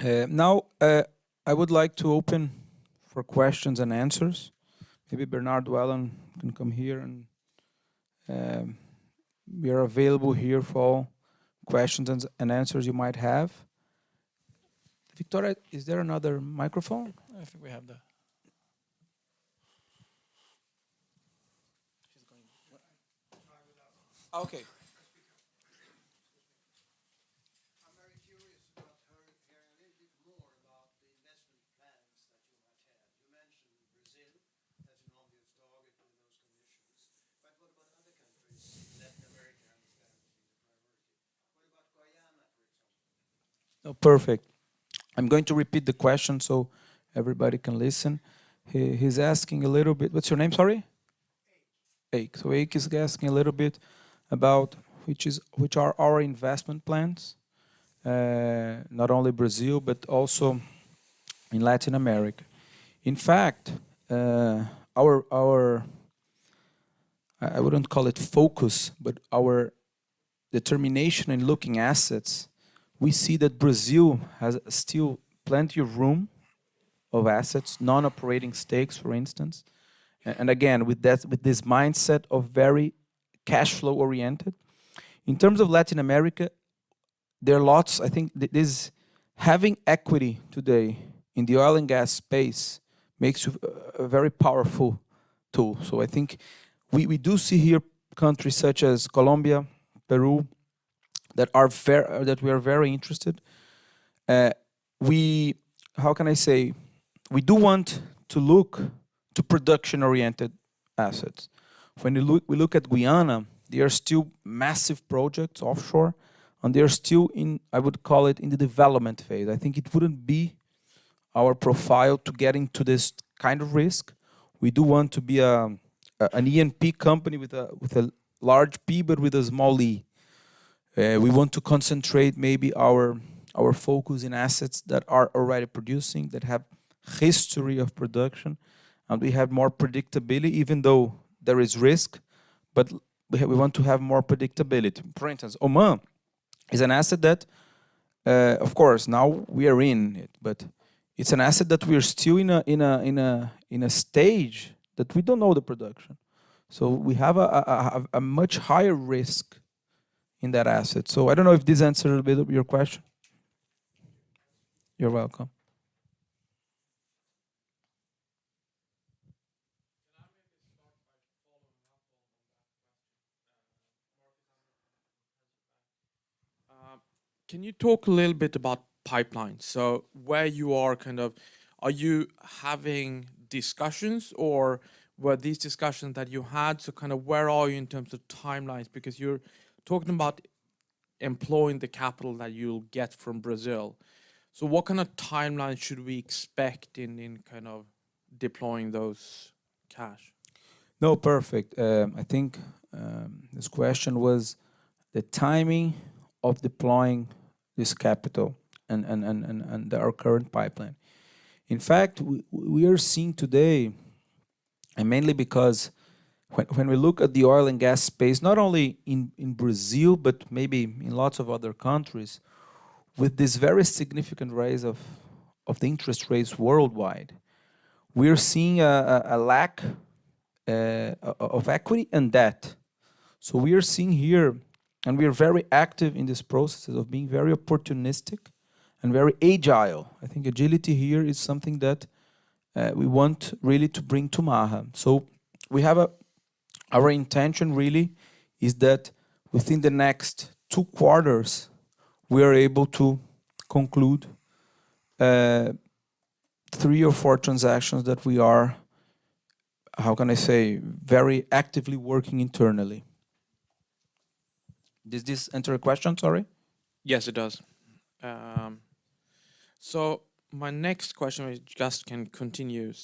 Now, I would like to open for questions and answers. Maybe Bernardo Guterres can come here and, we are available here for questions and answers you might have. Victoria, is there another microphone? I think we have the... She's going. Try without. Okay. You mentioned Brazil. That's an obvious target under those conditions. What about other countries? Latin America. Oh, perfect. I'm going to repeat the question so everybody can listen. He's asking a little bit... What's your name? Sorry. Ache. Ache. Ache is asking a little bit about which are our investment plans, not only Brazil, but also in Latin America. In fact, our, I wouldn't call it focus, but our determination in looking assets, we see that Brazil has still plenty of room of assets, non-operating stakes, for instance. Again, with that, with this mindset of very cashflow-oriented. In terms of Latin America, I think there's Having equity today in the oil and gas space makes you a very powerful tool. I think we do see here countries such as Colombia, Peru, that are very, that we are very interested. We do want to look to production-oriented assets. When you look, we look at Guyana, there are still massive projects offshore, and they are still in, I would call it, in the development phase. I think it wouldn't be our profile to get into this kind of risk. We do want to be an E&P company with a, with a large P but with a small E. We want to concentrate maybe our focus in assets that are already producing, that have history of production, and we have more predictability even though there is risk, but we want to have more predictability. For instance, Oman is an asset that, of course, now we are in it, but it's an asset that we are still in a stage that we don't know the production. We have a much higher risk in that asset. I don't know if this answered a bit of your question? Thank you. You're welcome. Can I maybe start by following up on that question Marcus had in terms of that? Can you talk a little bit about pipelines? Where you are kind of. Are you having discussions or were these discussions that you had? Kinda where are you in terms of timelines? Because you're talking about employing the capital that you'll get from Brazil. What kind of timeline should we expect in kind of deploying those cash? No, perfect. I think this question was the timing of deploying this capital and our current pipeline. In fact, we are seeing today, mainly because when we look at the oil and gas space, not only in Brazil, but maybe in lots of other countries, with this very significant rise of the interest rates worldwide, we are seeing a lack of equity and debt. We are seeing here, and we are very active in this process of being very opportunistic and very agile. I think agility here is something that we want really to bring to Maha. Our intention really is that within the next 2 quarters, we are able to conclude 3 or 4 transactions that we are, how can I say, very actively working internally. Does this answer your question, sorry? Yes, it does. My next question is just can continue.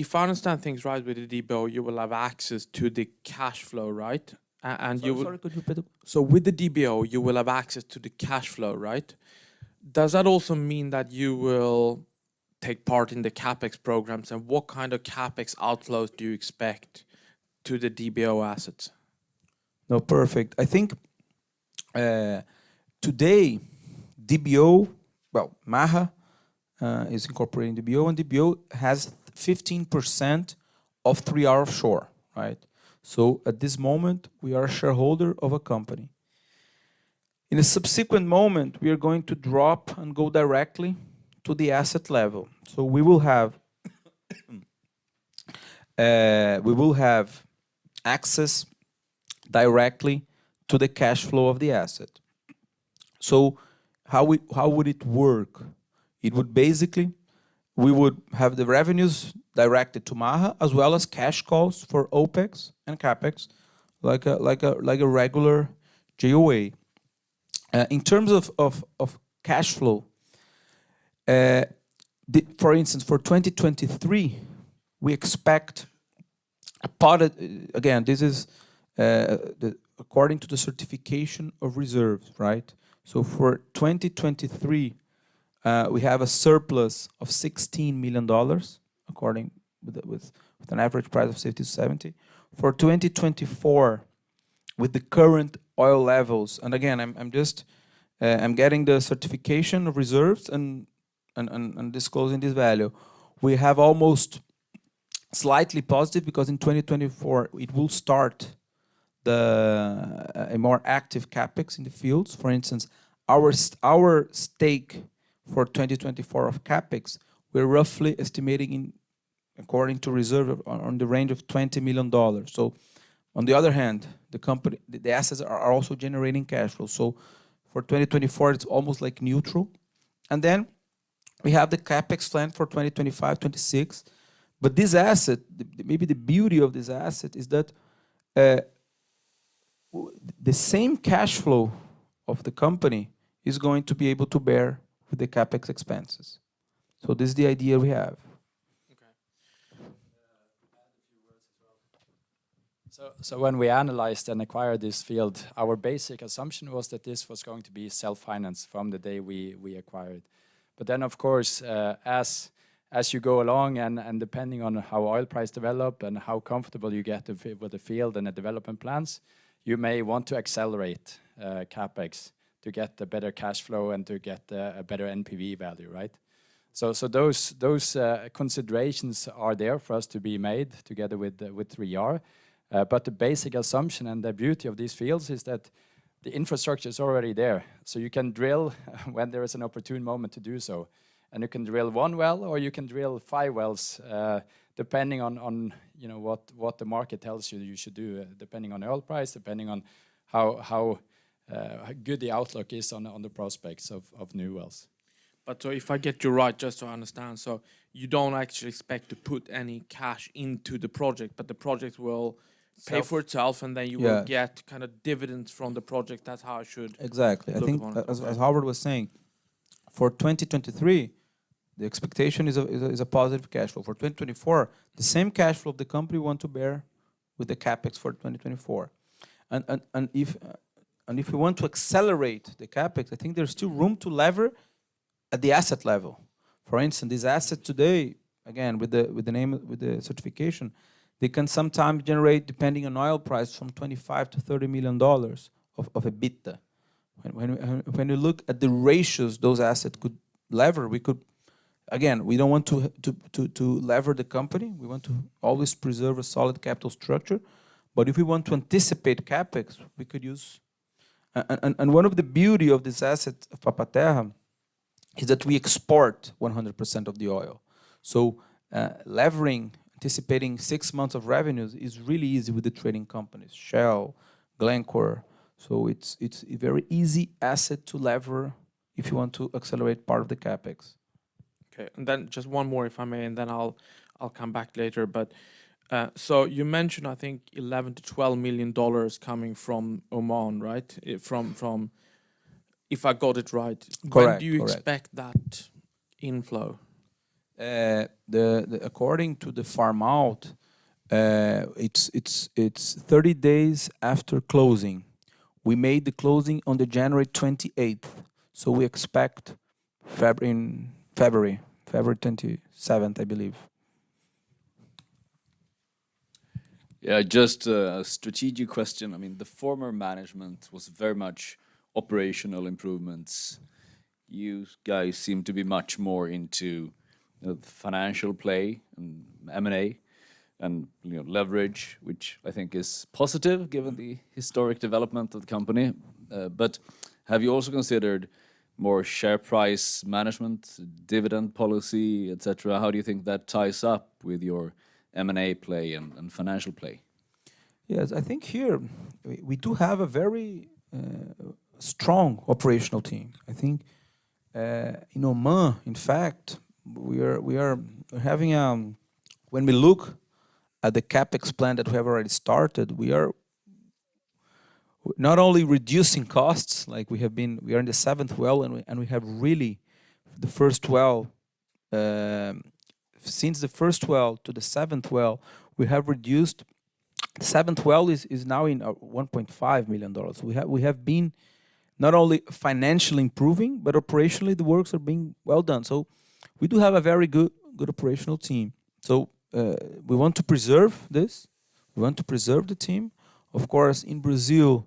If I understand things right with the DBO, you will have access to the cash flow, right? You will... Sorry, sorry. Could you repeat it? With the DBO, you will have access to the cash flow, right? Does that also mean that you will take part in the CapEx programs? What kind of CapEx outflows do you expect to the DBO assets? No, perfect. I think today well, Maha is incorporating DBO, and DBO has 15% of 3R Offshore, right? At this moment, we are a shareholder of a company. In a subsequent moment, we are going to drop and go directly to the asset level. We will have access directly to the cash flow of the asset. How would it work? It would basically, we would have the revenues directed to Maha as well as cash calls for OpEx and CapEx, like a regular JOA. In terms of cash flow, for instance, for 2023, we expect. Again, this is according to the certification of reserves, right? For 2023, we have a surplus of $16 million according with an average price of 60-70. For 2024, with the current oil levels, again, I'm just getting the certification of reserves and disclosing this value. We have almost slightly positive because in 2024 it will start a more active CapEx in the fields. For instance, our stake for 2024 of CapEx, we're roughly estimating According to reserve, on the range of $20 million. On the other hand, the assets are also generating cash flow. For 2024, it's almost like neutral. We have the CapEx plan for 2025, 2026. This asset, maybe the beauty of this asset is that the same cash flow of the company is going to be able to bear the CapEx expenses. This is the idea we have. Okay. Can I add a few words as well? When we analyzed and acquired this field, our basic assumption was that this was going to be self-financed from the day we acquired. Of course, as you go along and depending on how oil price develop and how comfortable you get with the field and the development plans, you may want to accelerate CapEx to get a better cash flow and to get a better NPV value, right? Those considerations are there for us to be made together with 3R. The basic assumption and the beauty of these fields is that the infrastructure is already there, so you can drill when there is an opportune moment to do so. You can drill one well, or you can drill five wells, depending on, you know, what the market tells you you should do, depending on oil price, depending on how good the outlook is on the prospects of new wells. If I get you right, just to understand, so you don't actually expect to put any cash into the project, but the project will pay for itself? Yeah ...Then you will get kind of dividends from the project. That's how I. Exactly ...look upon it, right? I think as Howard was saying, for 2023, the expectation is a positive cash flow. For 2024, the same cash flow of the company want to bear with the CapEx for 2024. If we want to accelerate the CapEx, I think there's still room to lever at the asset level. For instance, this asset today, again, with the name, with the certification, they can sometimes generate, depending on oil price, from $25 million-$30 million of EBITDA. When you look at the ratios those assets could lever, we could. Again, we don't want to lever the company. We want to always preserve a solid capital structure. If we want to anticipate CapEx, we could use... One of the beauty of this asset of Papa Terra is that we export 100% of the oil. Levering, anticipating 6 months of revenues is really easy with the trading companies, Shell, Glencore. It's a very easy asset to lever if you want to accelerate part of the CapEx. Okay. Just one more, if I may, I'll come back later. You mentioned, I think, $11 million-$12 million coming from Oman, right? If I got it right. Correct. Correct. When do you expect that inflow? According to the farm-out, it's 30 days after closing. We made the closing on the January 28th, we expect in February 27th, I believe. Yeah, just a strategic question. I mean, the former management was very much operational improvements. You guys seem to be much more into the financial play and M&A and, you know, leverage, which I think is positive given the historic development of the company. Have you also considered more share price management, dividend policy, et cetera? How do you think that ties up with your M&A play and financial play? Yes. I think here we do have a very strong operational team. In Oman, in fact, when we look at the CapEx plan that we have already started, we are not only reducing costs like we have been. We are in the seventh well, we have really the first well since the first well to the seventh well. Seventh well is now in $1.5 million. We have been not only financially improving, but operationally the works are being well done. We do have a very good operational team. We want to preserve this. We want to preserve the team. Of course, in Brazil,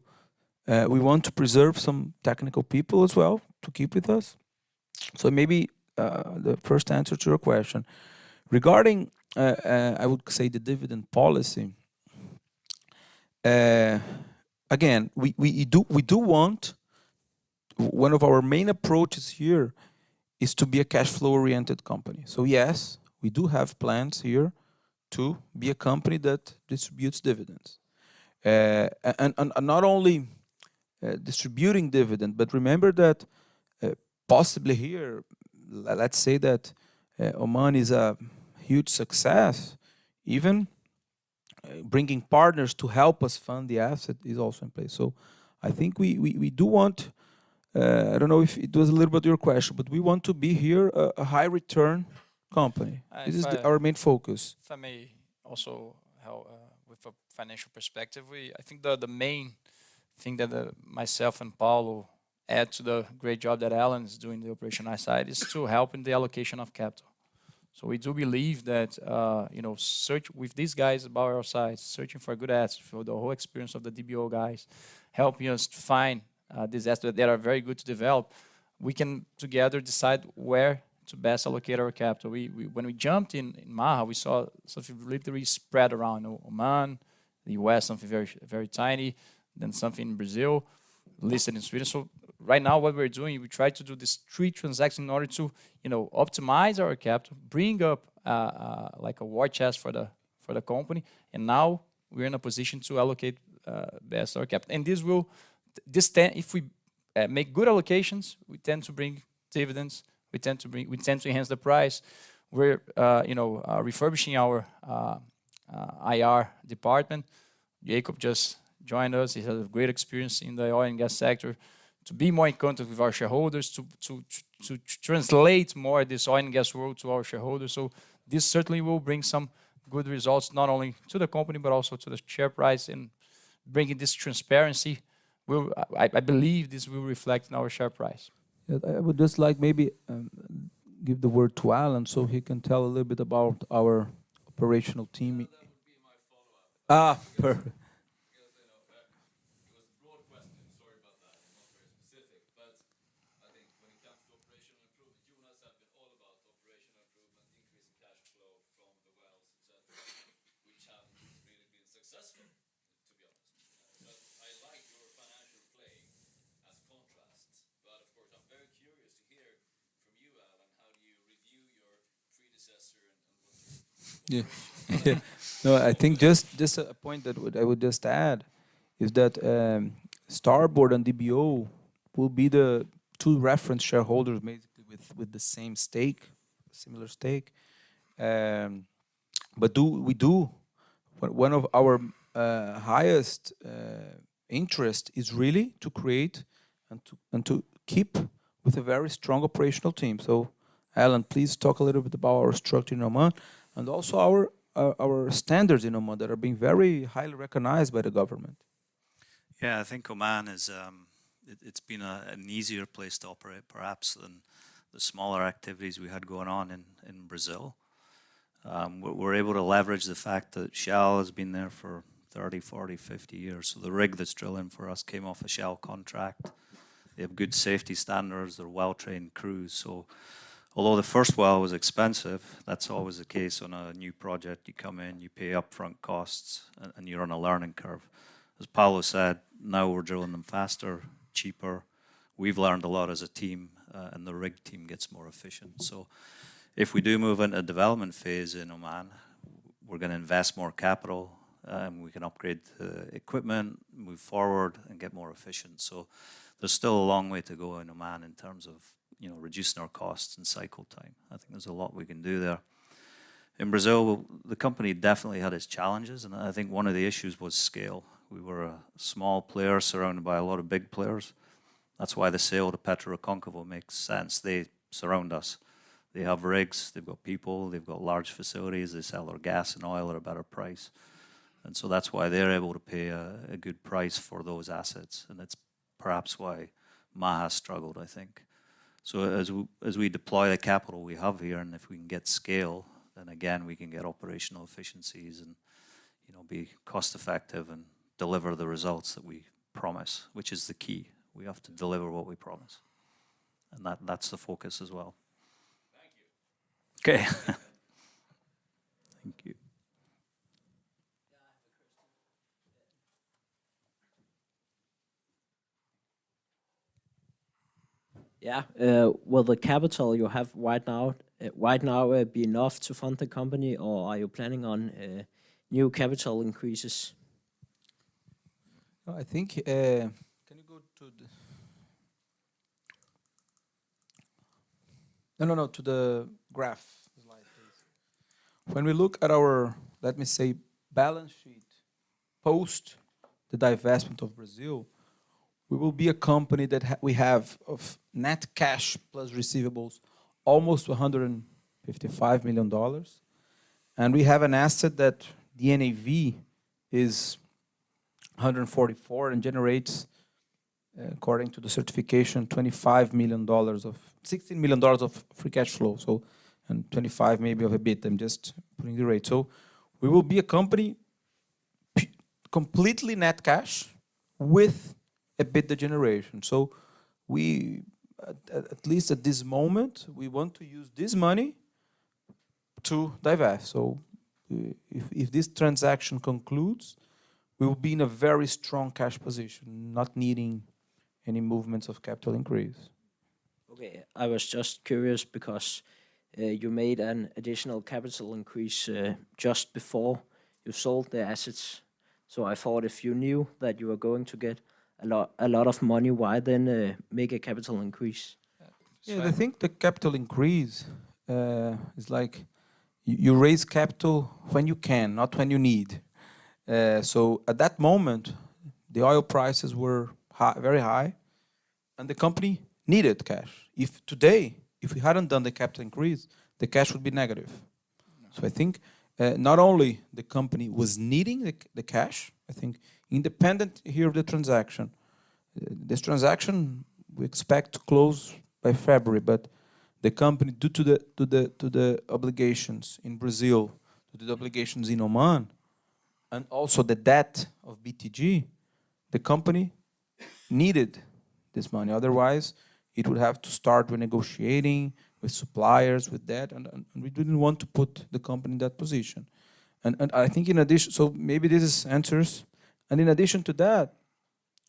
we want to preserve some technical people as well to keep with us. Maybe, the first answer to your question. Regarding, I would say the dividend policy, again, we do want. One of our main approaches here is to be a cash flow-oriented company. Yes, we do have plans here to be a company that distributes dividends. And not only distributing dividend, but remember that possibly here, let's say that Oman is a huge success, even bringing partners to help us fund the asset is also in place. I think we do want. I don't know if it was a little bit your question, but we want to be here a high return company. If I- This is our main focus. If I may also help with a financial perspective. I think the main thing that myself and Paulo Mendonça add to the great job that Alan Johnson is doing in the operational side is to help in the allocation of capital. We do believe that, you know, with these guys by our sides, searching for good assets, for the whole experience of the DBO guys helping us to find these assets that are very good to develop, we can together decide where to best allocate our capital. When we jumped in Maha, we saw something literally spread around Oman, the U.S., something very tiny, then something in Brazil, listed in Sweden. Right now what we're doing, we try to do this 3 transaction in order to, you know, optimize our capital, bring up like a war chest for the company. Now we're in a position to allocate best our capital. If we make good allocations, we tend to bring dividends, we tend to enhance the price. We're, you know, refurbishing our IR department. Jakob just joined us. He has a great experience in the oil and gas sector to be more in contact with our shareholders to translate more this oil and gas world to our shareholders. This certainly will bring some good results, not only to the company, but also to the share price. Bringing this transparency will... I believe this will reflect in our share price. Yeah. I would just like maybe give the word to Alan so he can tell a little bit about our operational team. Yeah, that would be my follow-up. Perfect. You know, it was a broad question, sorry about that, not very specific. I think when it comes to operational improvement, Jonas has been all about operational improvement, increasing cash flow from the wells, et cetera, which haven't really been successful, to be honest. I like your financial play as contrasts, but of course I'm very curious to hear from you, Alan, how do you review your predecessor? Yeah. No, I think just a point that I would just add is that Starboard and DBO will be the two reference shareholders basically with the same stake, similar stake. We do one of our highest interest is really to create and to keep with a very strong operational team. Alan, please talk a little bit about our structure in Oman, and also our standards in Oman that are being very highly recognized by the government. I think Oman is it's been an easier place to operate perhaps than the smaller activities we had going on in Brazil. We're able to leverage the fact that Shell has been there for 30, 40, 50 years. The rig that's drilling for us came off a Shell contract. They have good safety standards. They're well-trained crews. Although the first well was expensive, that's always the case on a new project. You come in, you pay upfront costs and you're on a learning curve. As Paulo said, now we're drilling them faster, cheaper. We've learned a lot as a team and the rig team gets more efficient. If we do move in a development phase in Oman, we're gonna invest more capital, we can upgrade the equipment, move forward and get more efficient. There's still a long way to go in Oman in terms of, you know, reducing our costs and cycle time. I think there's a lot we can do there. In Brazil, the company definitely had its challenges, and I think one of the issues was scale. We were a small player surrounded by a lot of big players. That's why the sale to PetroRecôncavo makes sense. They surround us. They have rigs. They've got people. They've got large facilities. They sell their gas and oil at a better price. That's why they're able to pay a good price for those assets, and that's perhaps why Ma has struggled, I think. As we deploy the capital we have here, and if we can get scale, then again we can get operational efficiencies and, you know, be cost-effective and deliver the results that we promise, which is the key. We have to deliver what we promise, and that's the focus as well. Thank you. Okay. Thank you. Yeah. I have a question. Yeah. Yeah. Will the capital you have right now be enough to fund the company or are you planning on new capital increases? I think, can you go to the graph slide, please. When we look at our, let me say, balance sheet, post the divestment of Brazil, we will be a company that we have of net cash plus receivables almost $155 million. We have an asset that the NAV is $144 million and generates, according to the certification, $16 million of free cash flow, so, and $25 million maybe of EBIT, I'm just putting the rate. We will be a company completely net cash with EBITDA generation. We, at least at this moment, we want to use this money to divest. If this transaction concludes, we will be in a very strong cash position, not needing any movements of capital increase. Okay. I was just curious because, you made an additional capital increase, just before you sold the assets. I thought if you knew that you were going to get a lot of money, why then, make a capital increase? Yeah. The thing with the capital increase, is like you raise capital when you can, not when you need. At that moment, the oil prices were high, very high, and the company needed cash. If today, if we hadn't done the capital increase, the cash would be negative. I think, not only the company was needing the cash, I think independent here of the transaction, this transaction we expect to close by February. The company, due to the obligations in Brazil, due to the obligations in Oman, and also the debt of BTG, the company needed this money, otherwise it would have to start renegotiating with suppliers, with debt, and we didn't want to put the company in that position. I think in addition... Maybe this answers... In addition to that,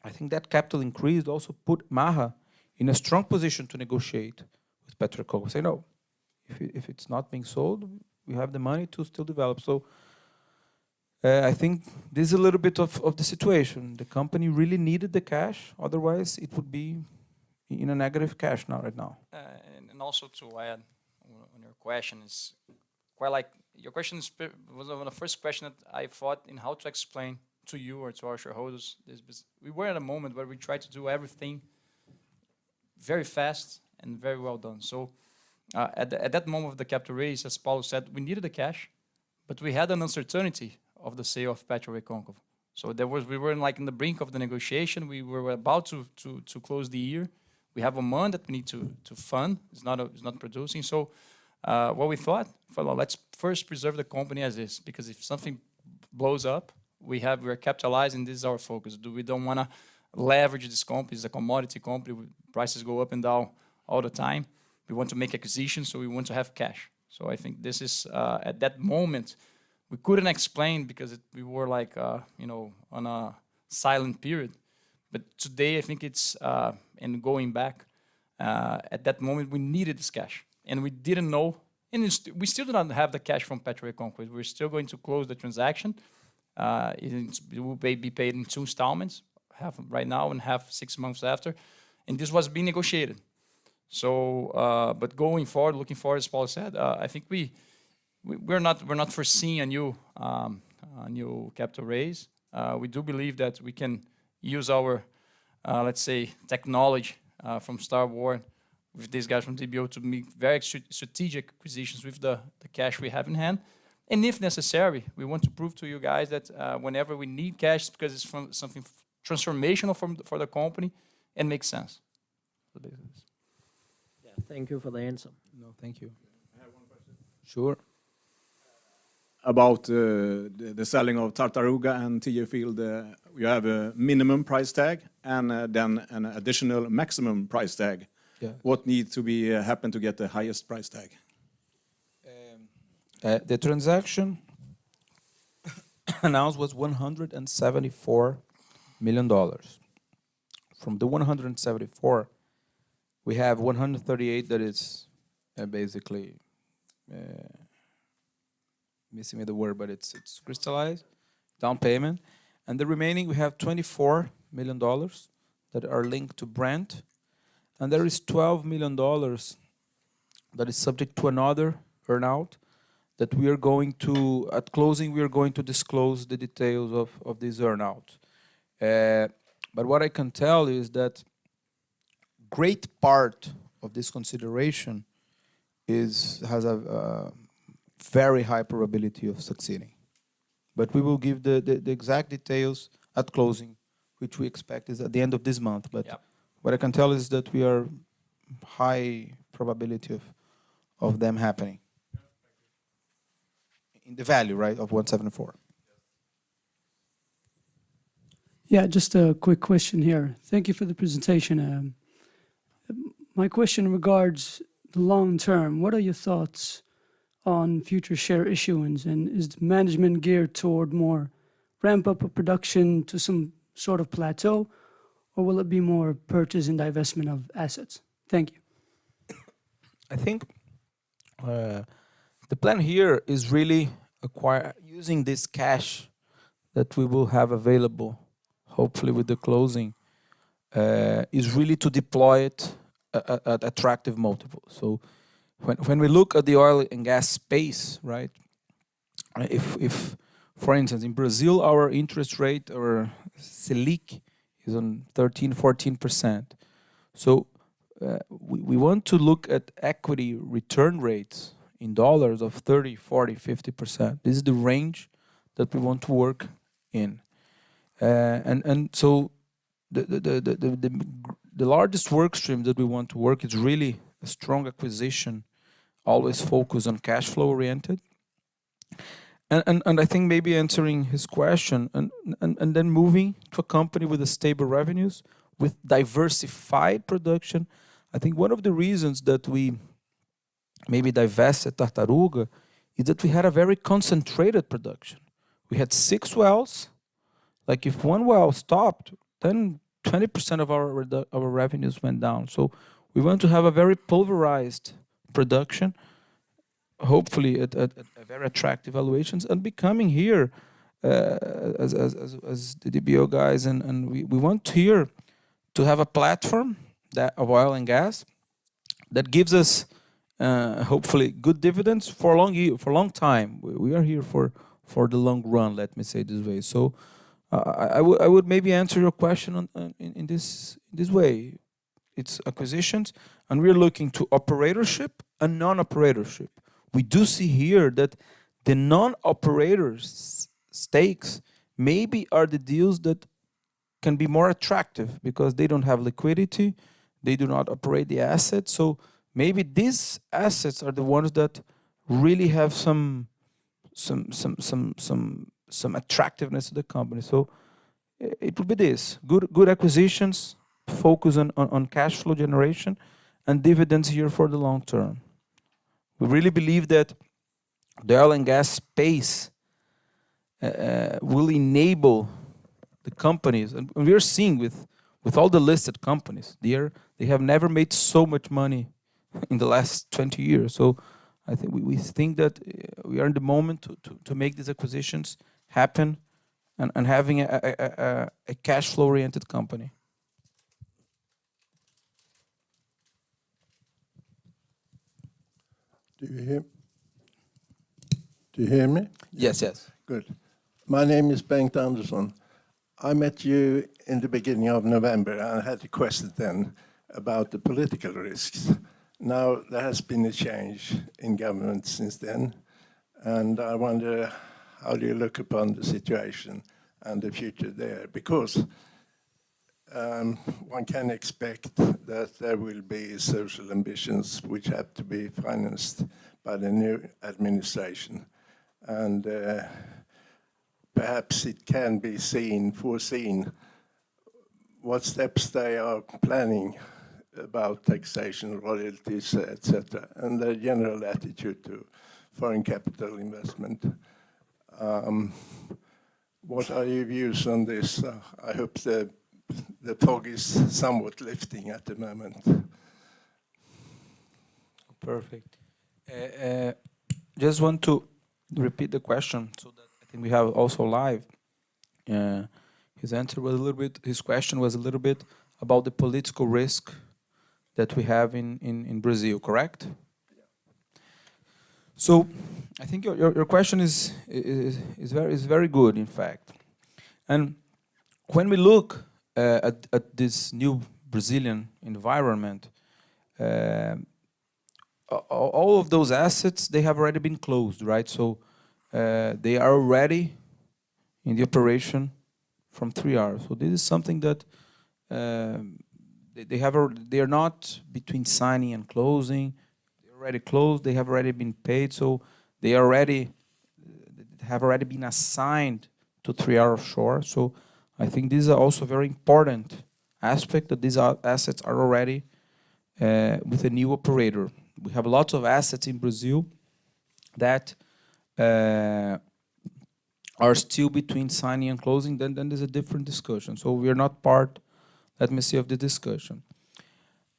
I think that capital increase also put Maha in a strong position to negotiate with PetroRecôncavo and say, "No, if it's not being sold, we have the money to still develop." I think this is a little bit of the situation. The company really needed the cash, otherwise it would be in a negative cash now, right now. Also to add on your question, your question was one of the first question that I thought in how to explain to you or to our shareholders this. We were at a moment where we tried to do everything very fast and very well done. At that moment of the capital raise, as Paulo said, we needed the cash, but we had an uncertainty of the sale of PetroRecôncavo. There was. We were in, like, in the brink of the negotiation. We were about to close the year. We have a month that we need to fund. It's not producing. What we thought, "Well, let's first preserve the company as is," because if something blows up, we are capitalized, and this is our focus. Do. We don't wanna leverage this company. It's a commodity company. Prices go up and down all the time. We want to make acquisitions, we want to have cash. I think this is. At that moment, we couldn't explain because we were like, you know, on a silent period. Today, I think it's. Going back, at that moment, we needed this cash, and we didn't know. We still do not have the cash from PetroRecôncavo. We're still going to close the transaction. It will be paid in 2 installments. Half right now and half 6 months after. This was being negotiated. But going forward, looking forward, as Paulo said, I think we're not foreseeing a new capital raise. We do believe that we can use our, let's say, technology, from Starboard Partners with these guys from DBO Energy to make very strategic acquisitions with the cash we have in hand. If necessary, we want to prove to you guys that, whenever we need cash, it's because it's from something transformational for the company and makes sense for business. Yeah. Thank you for the answer. No, thank you. I have one question. Sure. About the selling of Tartaruga and Tiê field. You have a minimum price tag and then an additional maximum price tag. Yeah. What needs to be, happen to get the highest price tag? The transaction announced was $174 million. From the 174, we have 138 that is crystallized, down payment. The remaining, we have $24 million that are linked to Brent, and there is $12 million that is subject to another earn-out. At closing, we are going to disclose the details of this earn-out. What I can tell is that great part of this consideration has a very high probability of succeeding. We will give the exact details at closing, which we expect is at the end of this month. Yeah what I can tell is that we are high probability of them happening. That's very good. In the value, right? Of $174. Yes. Yeah. Just a quick question here. Thank you for the presentation. My question regards the long term. What are your thoughts on future share issuance, and is the management geared toward more ramp up of production to some sort of plateau, or will it be more purchase and divestment of assets? Thank you. I think the plan here is really Using this cash that we will have available, hopefully with the closing, is really to deploy it at attractive multiples. When we look at the oil and gas space, right? If, for instance, in Brazil, our interest rate or Selic is on 13%, 14%. We want to look at equity return rates in dollars of 30%, 40%, 50%. This is the range that we want to work in. The largest work stream that we want to work is really a strong acquisition, always focused on cash flow-oriented. I think maybe answering his question and then moving to a company with stable revenues, with diversified production. I think one of the reasons that we maybe divested Tartaruga is that we had a very concentrated production. We had 6 wells. Like, if 1 well stopped, then 20% of our revenues went down. We want to have a very pulverized production, hopefully at very attractive valuations. We coming here as the DBO guys and we want here to have a platform of oil and gas that gives us hopefully good dividends for a long time. We are here for the long run, let me say it this way. I would maybe answer your question in this way. It's acquisitions, and we're looking to operatorship and non-operatorship. We do see here that the non-operators' stakes maybe are the deals that can be more attractive because they don't have liquidity, they do not operate the assets. Maybe these assets are the ones that really have some attractiveness to the company. It would be this. Good acquisitions, focus on cash flow generation, and dividends here for the long term. We really believe that the oil and gas space will enable the companies... We are seeing with all the listed companies, they have never made so much money in the last 20 years. I think we think that, we are in the moment to make these acquisitions happen and having a cash flow-oriented company. Do you hear? Do you hear me? Yes, yes. Good. My name is Bengt Andersson. I met you in the beginning of November, I had a question then about the political risks. There has been a change in government since then, I wonder how do you look upon the situation and the future there? Because one can expect that there will be social ambitions which have to be financed by the new administration. Perhaps it can be seen, foreseen what steps they are planning about taxation, royalties, et cetera, and their general attitude to foreign capital investment. What are your views on this? I hope the fog is somewhat lifting at the moment. Perfect. Just want to repeat the question so that I think we have also live. His question was a little bit about the political risk that we have in Brazil, correct? Yeah. I think your question is very good, in fact. When we look at this new Brazilian environment, all of those assets, they have already been closed, right? They are already in the operation from Three Arrows. This is something that they have they're not between signing and closing. They're already closed. They have already been paid, so they already have already been assigned to 3R Offshore. I think this is also very important aspect, that these assets are already with a new operator. We have lots of assets in Brazil that are still between signing and closing. There's a different discussion. We are not part, let me say, of the discussion.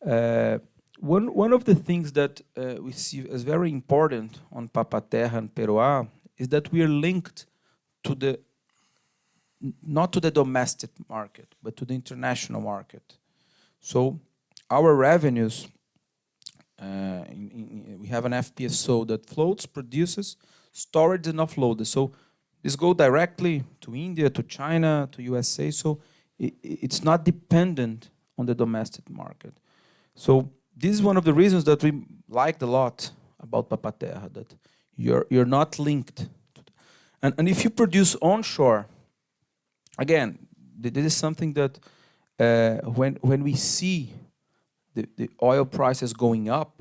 One of the things that we see as very important on Papa Terra and Peroá is that we are linked to the not to the domestic market, but to the international market. Our revenues, we have an FPSO that floats, produces, storage, and offload. This go directly to India, to China, to USA. It's not dependent on the domestic market. This is one of the reasons that we liked a lot about Papa Terra, that you're not linked to the. If you produce onshore, again, this is something that when we see the oil prices going up,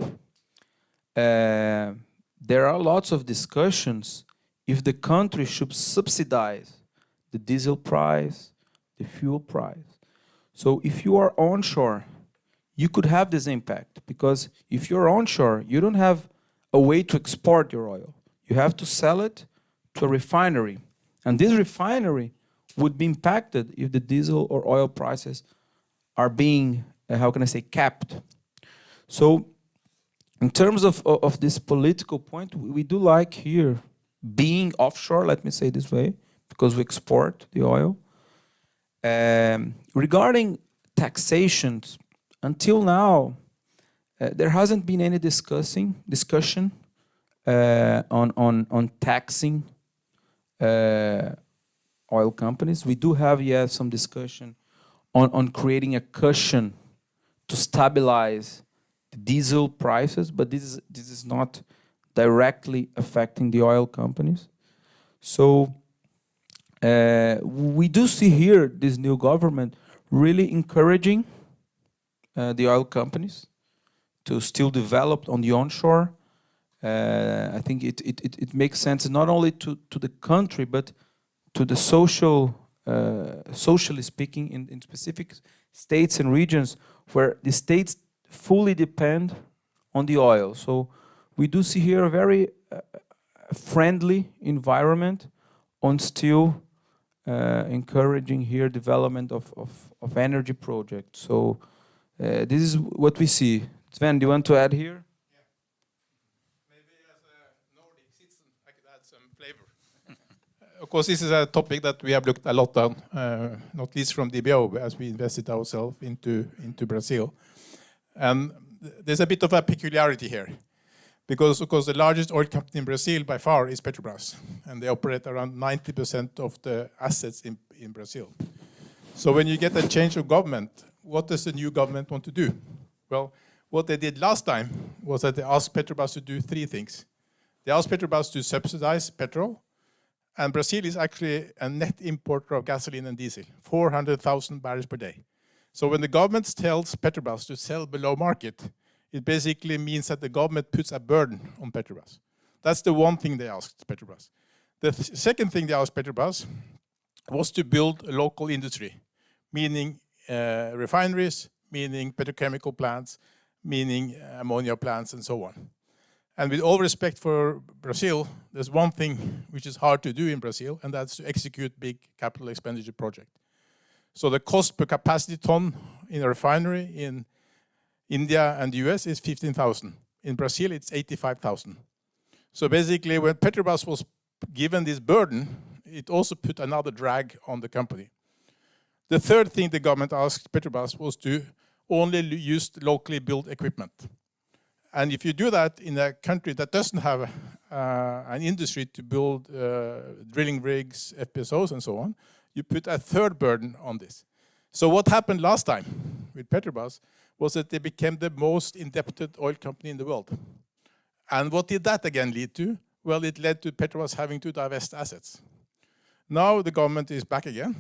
there are lots of discussions if the country should subsidize the diesel price, the fuel price. If you are onshore, you could have this impact, because if you're onshore, you don't have a way to export your oil. You have to sell it to a refinery, this refinery would be impacted if the diesel or oil prices are being, how can I say, capped. In terms of this political point, we do like here being offshore, let me say this way, because we export the oil. Regarding taxations, until now, there hasn't been any discussion on taxing oil companies. We do have some discussion on creating a cushion to stabilize the diesel prices, but this is not directly affecting the oil companies. We do see here this new government really encouraging the oil companies to still develop on the onshore. I think it makes sense not only to the country, but to the social, socially speaking in specific states and regions where the states fully depend on the oil. We do see here a very friendly environment on still encouraging here development of energy projects. This is what we see. Sven, do you want to add here? Yeah. Maybe as a Nordic citizen, I could add some flavor. Of course, this is a topic that we have looked a lot on, not least from DBO as we invested ourself into Brazil. There's a bit of a peculiarity here because, of course, the largest oil company in Brazil by far is Petrobras, and they operate around 90% of the assets in Brazil. When you get a change of government, what does the new government want to do? Well, what they did last time was that they asked Petrobras to do 3 things. They asked Petrobras to subsidize petrol, and Brazil is actually a net importer of gasoline and diesel, 400,000 barrels per day. When the government tells Petrobras to sell below market, it basically means that the government puts a burden on Petrobras. That's the one thing they asked Petrobras. The second thing they asked Petrobras was to build a local industry, meaning refineries, meaning petrochemical plants, meaning ammonia plants, and so on. With all respect for Brazil, there's one thing which is hard to do in Brazil, and that's to execute big capital expenditure project. The cost per capacity ton in a refinery in India and US is $15,000. In Brazil, it's $85,000. Basically, when Petrobras was given this burden, it also put another drag on the company. The third thing the government asked Petrobras was to only use locally built equipment. If you do that in a country that doesn't have an industry to build drilling rigs, FPSOs, and so on, you put a third burden on this. What happened last time with Petrobras was that they became the most indebted oil company in the world. What did that again lead to? It led to Petrobras having to divest assets. The government is back again,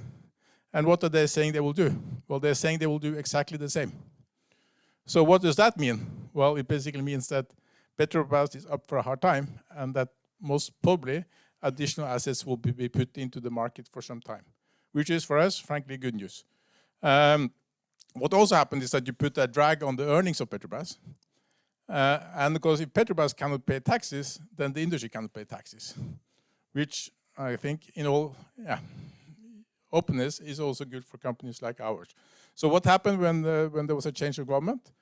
and what are they saying they will do? They're saying they will do exactly the same. What does that mean? It basically means that Petrobras is up for a hard time, and that most probably additional assets will be put into the market for some time, which is for us, frankly, good news. What also happened is that you put a drag on the earnings of Petrobras, and because if Petrobras cannot pay taxes, then the industry cannot pay taxes, which I think in all, yeah, openness is also good for companies like ours. What happened when there was a change of government?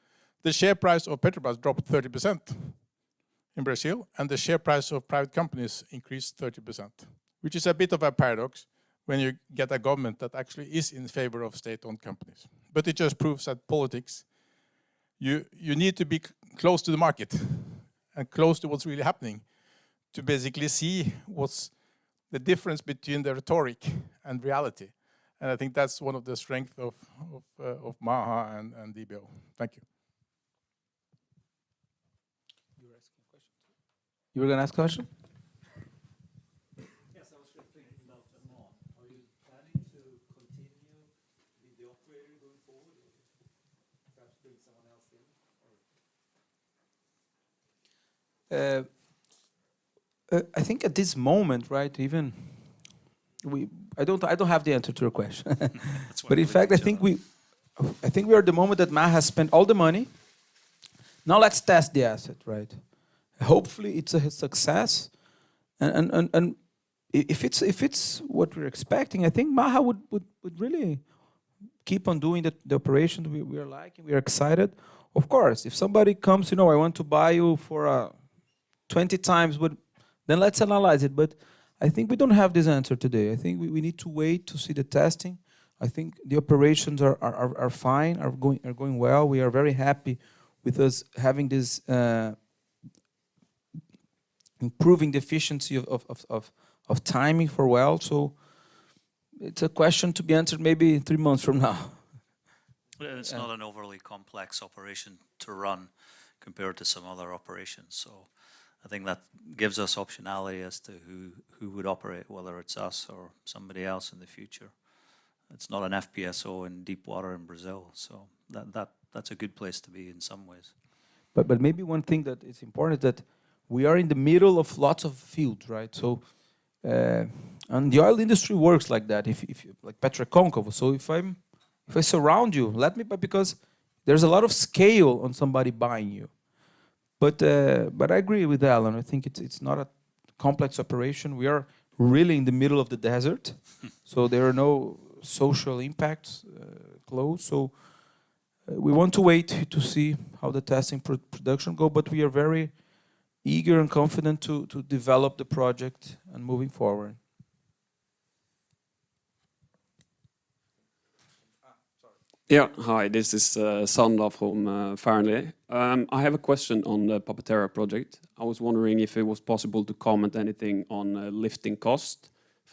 The share price of Petrobras dropped 30% in Brazil, and the share price of private companies increased 30%, which is a bit of a paradox when you get a government that actually is in favor of state-owned companies. It just proves that politics, you need to be close to the market and close to what's really happening to basically see what's the difference between the rhetoric and reality, and I think that's one of the strength of Maha and DBO. Thank you. You were asking a question. You were gonna ask a question? I was just thinking about Maha. Are you planning to continue to be the operator going forward or perhaps bring someone else in? Or? I think at this moment, right, even we. I don't have the answer to your question. That's why we're here tonight. In fact, I think we are at the moment that Maha has spent all the money. Let's test the asset, right? Hopefully, it's a success, if it's what we're expecting, I think Maha would really keep on doing the operation. We are liking, we are excited. Of course, if somebody comes, you know, "I want to buy you for 20 times would..." Let's analyze it, I think we don't have this answer today. I think we need to wait to see the testing. I think the operations are fine, are going well. We are very happy with us having this improving the efficiency of timing for well, it's a question to be answered maybe in 3 months from now. It's not an overly complex operation to run compared to some other operations. I think that gives us optionality as to who would operate, whether it's us or somebody else in the future. It's not an FPSO in deep water in Brazil. That's a good place to be in some ways. Maybe one thing that is important that we are in the middle of lots of fields, right? The oil industry works like that if like Petra Conoco. If I surround you because there's a lot of scale on somebody buying you. I agree with Alan. I think it's not a complex operation. We are really in the middle of the desert, there are no social impacts close. We want to wait to see how the testing pro-production go, we are very eager and confident to develop the project and moving forward. Sorry. Yeah. Hi, this is Sondre Salvesen from Fearnley. I have a question on the Papa Terra project. I was wondering if it was possible to comment anything on lifting cost.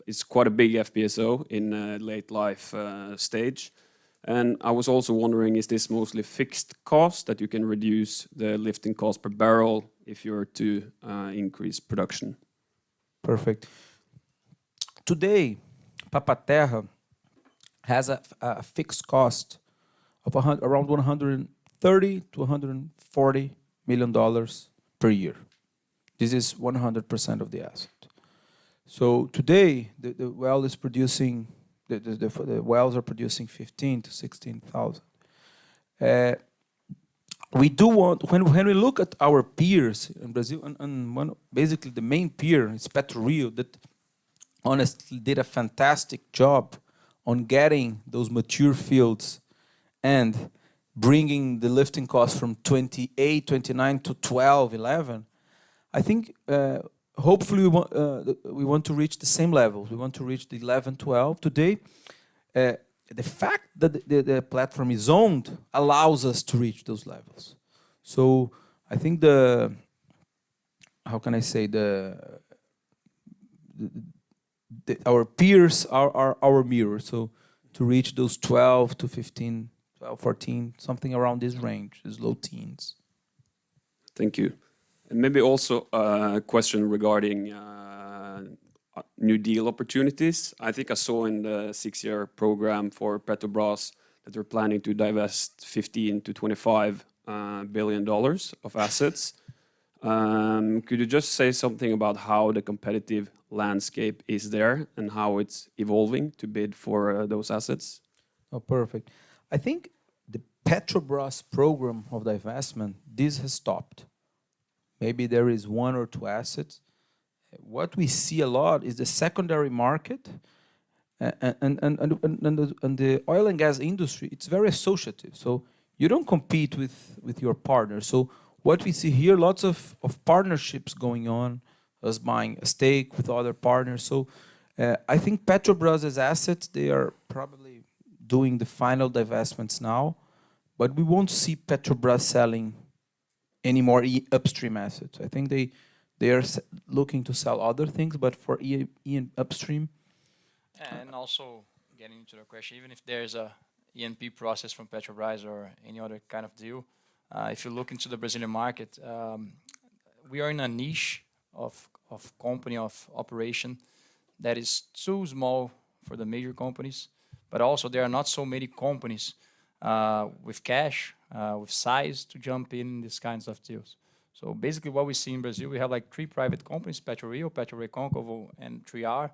It's quite a big FPSO in a late life stage. I was also wondering, is this mostly fixed cost that you can reduce the lifting cost per barrel if you were to increase production? Perfect. Today, Papa Terra has around $130 million-$140 million per year. This is 100% of the asset. Today, the well is producing, the wells are producing 15,000-16,000. We do want. When we look at our peers in Brazil, and one, basically the main peer is PRIO that honestly did a fantastic job on getting those mature fields and bringing the lifting costs from 28, 29 to 12, 11. I think, hopefully we want to reach the same level. We want to reach the 11, 12 today. The fact that the platform is owned allows us to reach those levels. I think the. How can I say? The our peers are our mirror, to reach those 12-15, 12, 14, something around this range, these low teens. Thank you. Maybe also a question regarding new deal opportunities. I think I saw in the 6-year program for Petrobras that they're planning to divest $15 billion-$25 billion of assets. Could you just say something about how the competitive landscape is there and how it's evolving to bid for those assets? Perfect. I think the Petrobras program of divestment, this has stopped. Maybe there is one or two assets. What we see a lot is the secondary market, and the oil and gas industry, it's very associative, so you don't compete with your partner. What we see here, lots of partnerships going on, us buying a stake with other partners. I think Petrobras' assets, they are probably doing the final divestments now, but we won't see Petrobras selling any more upstream assets. I think they are looking to sell other things, but for in upstream. Also getting to the question, even if there's an E&P process from Petrobras or any other kind of deal, if you look into the Brazilian market, we are in a niche of company, of operation that is too small for the major companies, but also there are not so many companies with cash, with size to jump in these kinds of deals. Basically what we see in Brazil, we have like three private companies: Petrorio, PetroRecôncavo, and 3R.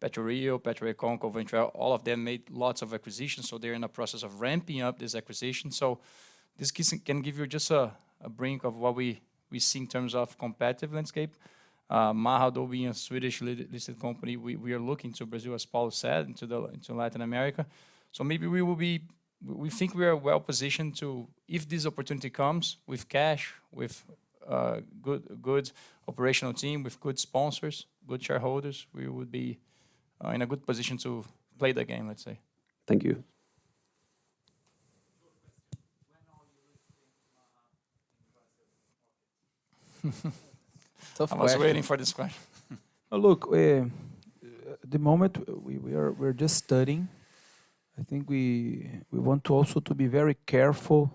Petrorio, PetroRecôncavo, and 3R, all of them made lots of acquisitions, so they're in the process of ramping up these acquisitions. This can give you just a brink of what we see in terms of competitive landscape. Maha, though being a Swedish listed company, we are looking to Brazil, as Paulo said, into Latin America. Maybe we think we are well-positioned to, if this opportunity comes, with cash, with good operational team, with good sponsors, good shareholders, we would be in a good position to play the game, let's say. Thank you. Two questions. When are you listing Maha in Brazil market? Tough question. I was waiting for this question. Look, at the moment we're just studying. I think we want to also to be very careful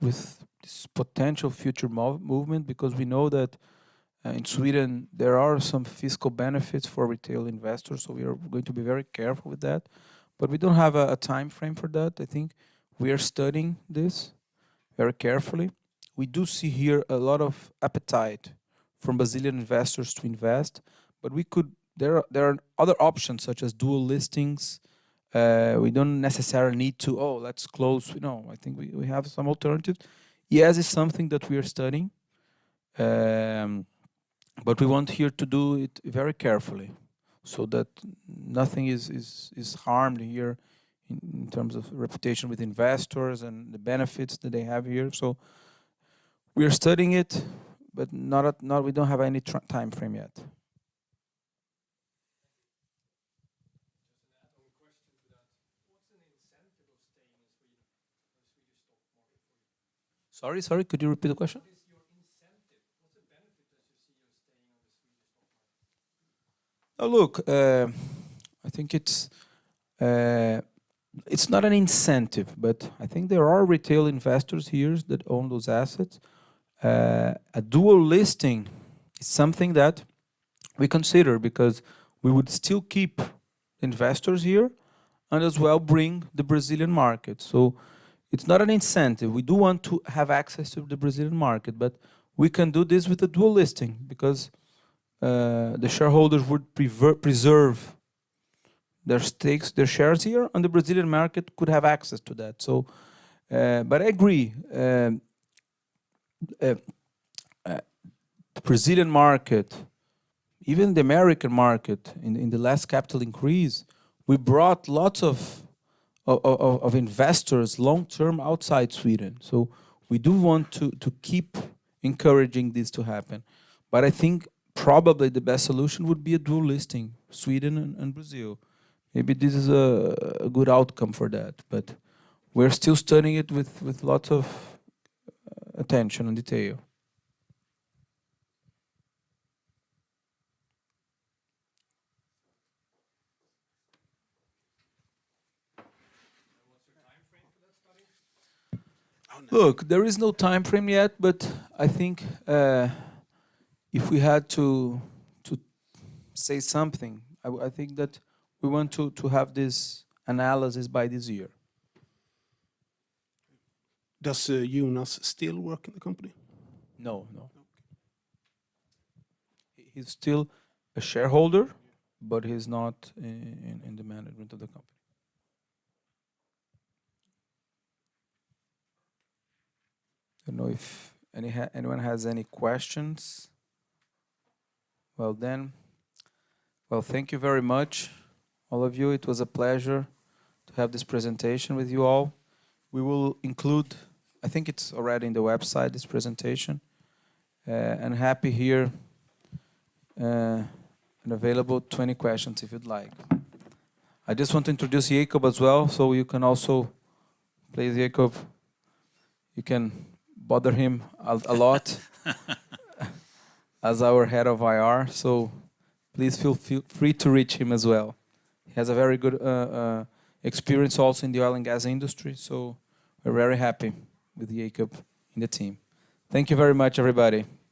with this potential future movement, because we know that in Sweden there are some fiscal benefits for retail investors, so we are going to be very careful with that. We don't have a timeframe for that, I think. We are studying this very carefully. We do see here a lot of appetite from Brazilian investors to invest, but we could. There are other options such as dual listings. We don't necessarily need to, oh, let's close. No, I think we have some alternative. Yes, it's something that we are studying. We want here to do it very carefully so that nothing is harmed here in terms of reputation with investors and the benefits that they have here. We are studying it, but We don't have any timeframe yet. Just an add-on question to that. What's an incentive of staying in Sweden, on Swedish stock market for you? Sorry. Could you repeat the question? What is your incentive? What's the benefit that you see of staying on the Swedish stock market? I think it's not an incentive, but I think there are retail investors here that own those assets. A dual listing is something that we consider because we would still keep investors here and as well bring the Brazilian market. It's not an incentive. We do want to have access to the Brazilian market, but we can do this with a dual listing because the shareholders would preserve their stakes, their shares here, and the Brazilian market could have access to that. I agree, the Brazilian market, even the American market in the last capital increase, we brought lots of investors long-term outside Sweden. We do want to keep encouraging this to happen. I think probably the best solution would be a dual listing, Sweden and Brazil. Maybe this is a good outcome for that, but we're still studying it with lots of attention and detail. What's your timeframe for that study? Look, there is no timeframe yet, but I think, if we had to say something, I think that we want to have this analysis by this year. Does Jonas still work in the company? No, no. Okay. He's still a shareholder, but he's not in the management of the company. I don't know if anyone has any questions. Thank you very much, all of you. It was a pleasure to have this presentation with you all. We will include. I think it's already in the website, this presentation. Happy here, and available to any questions if you'd like. I just want to introduce Jakob as well, so you can also please Jakob, you can bother him a lot, as our head of IR. Please feel free to reach him as well. He has a very good experience also in the oil and gas industry, so we're very happy with Jakob in the team. Thank you very much, everybody. Thank you.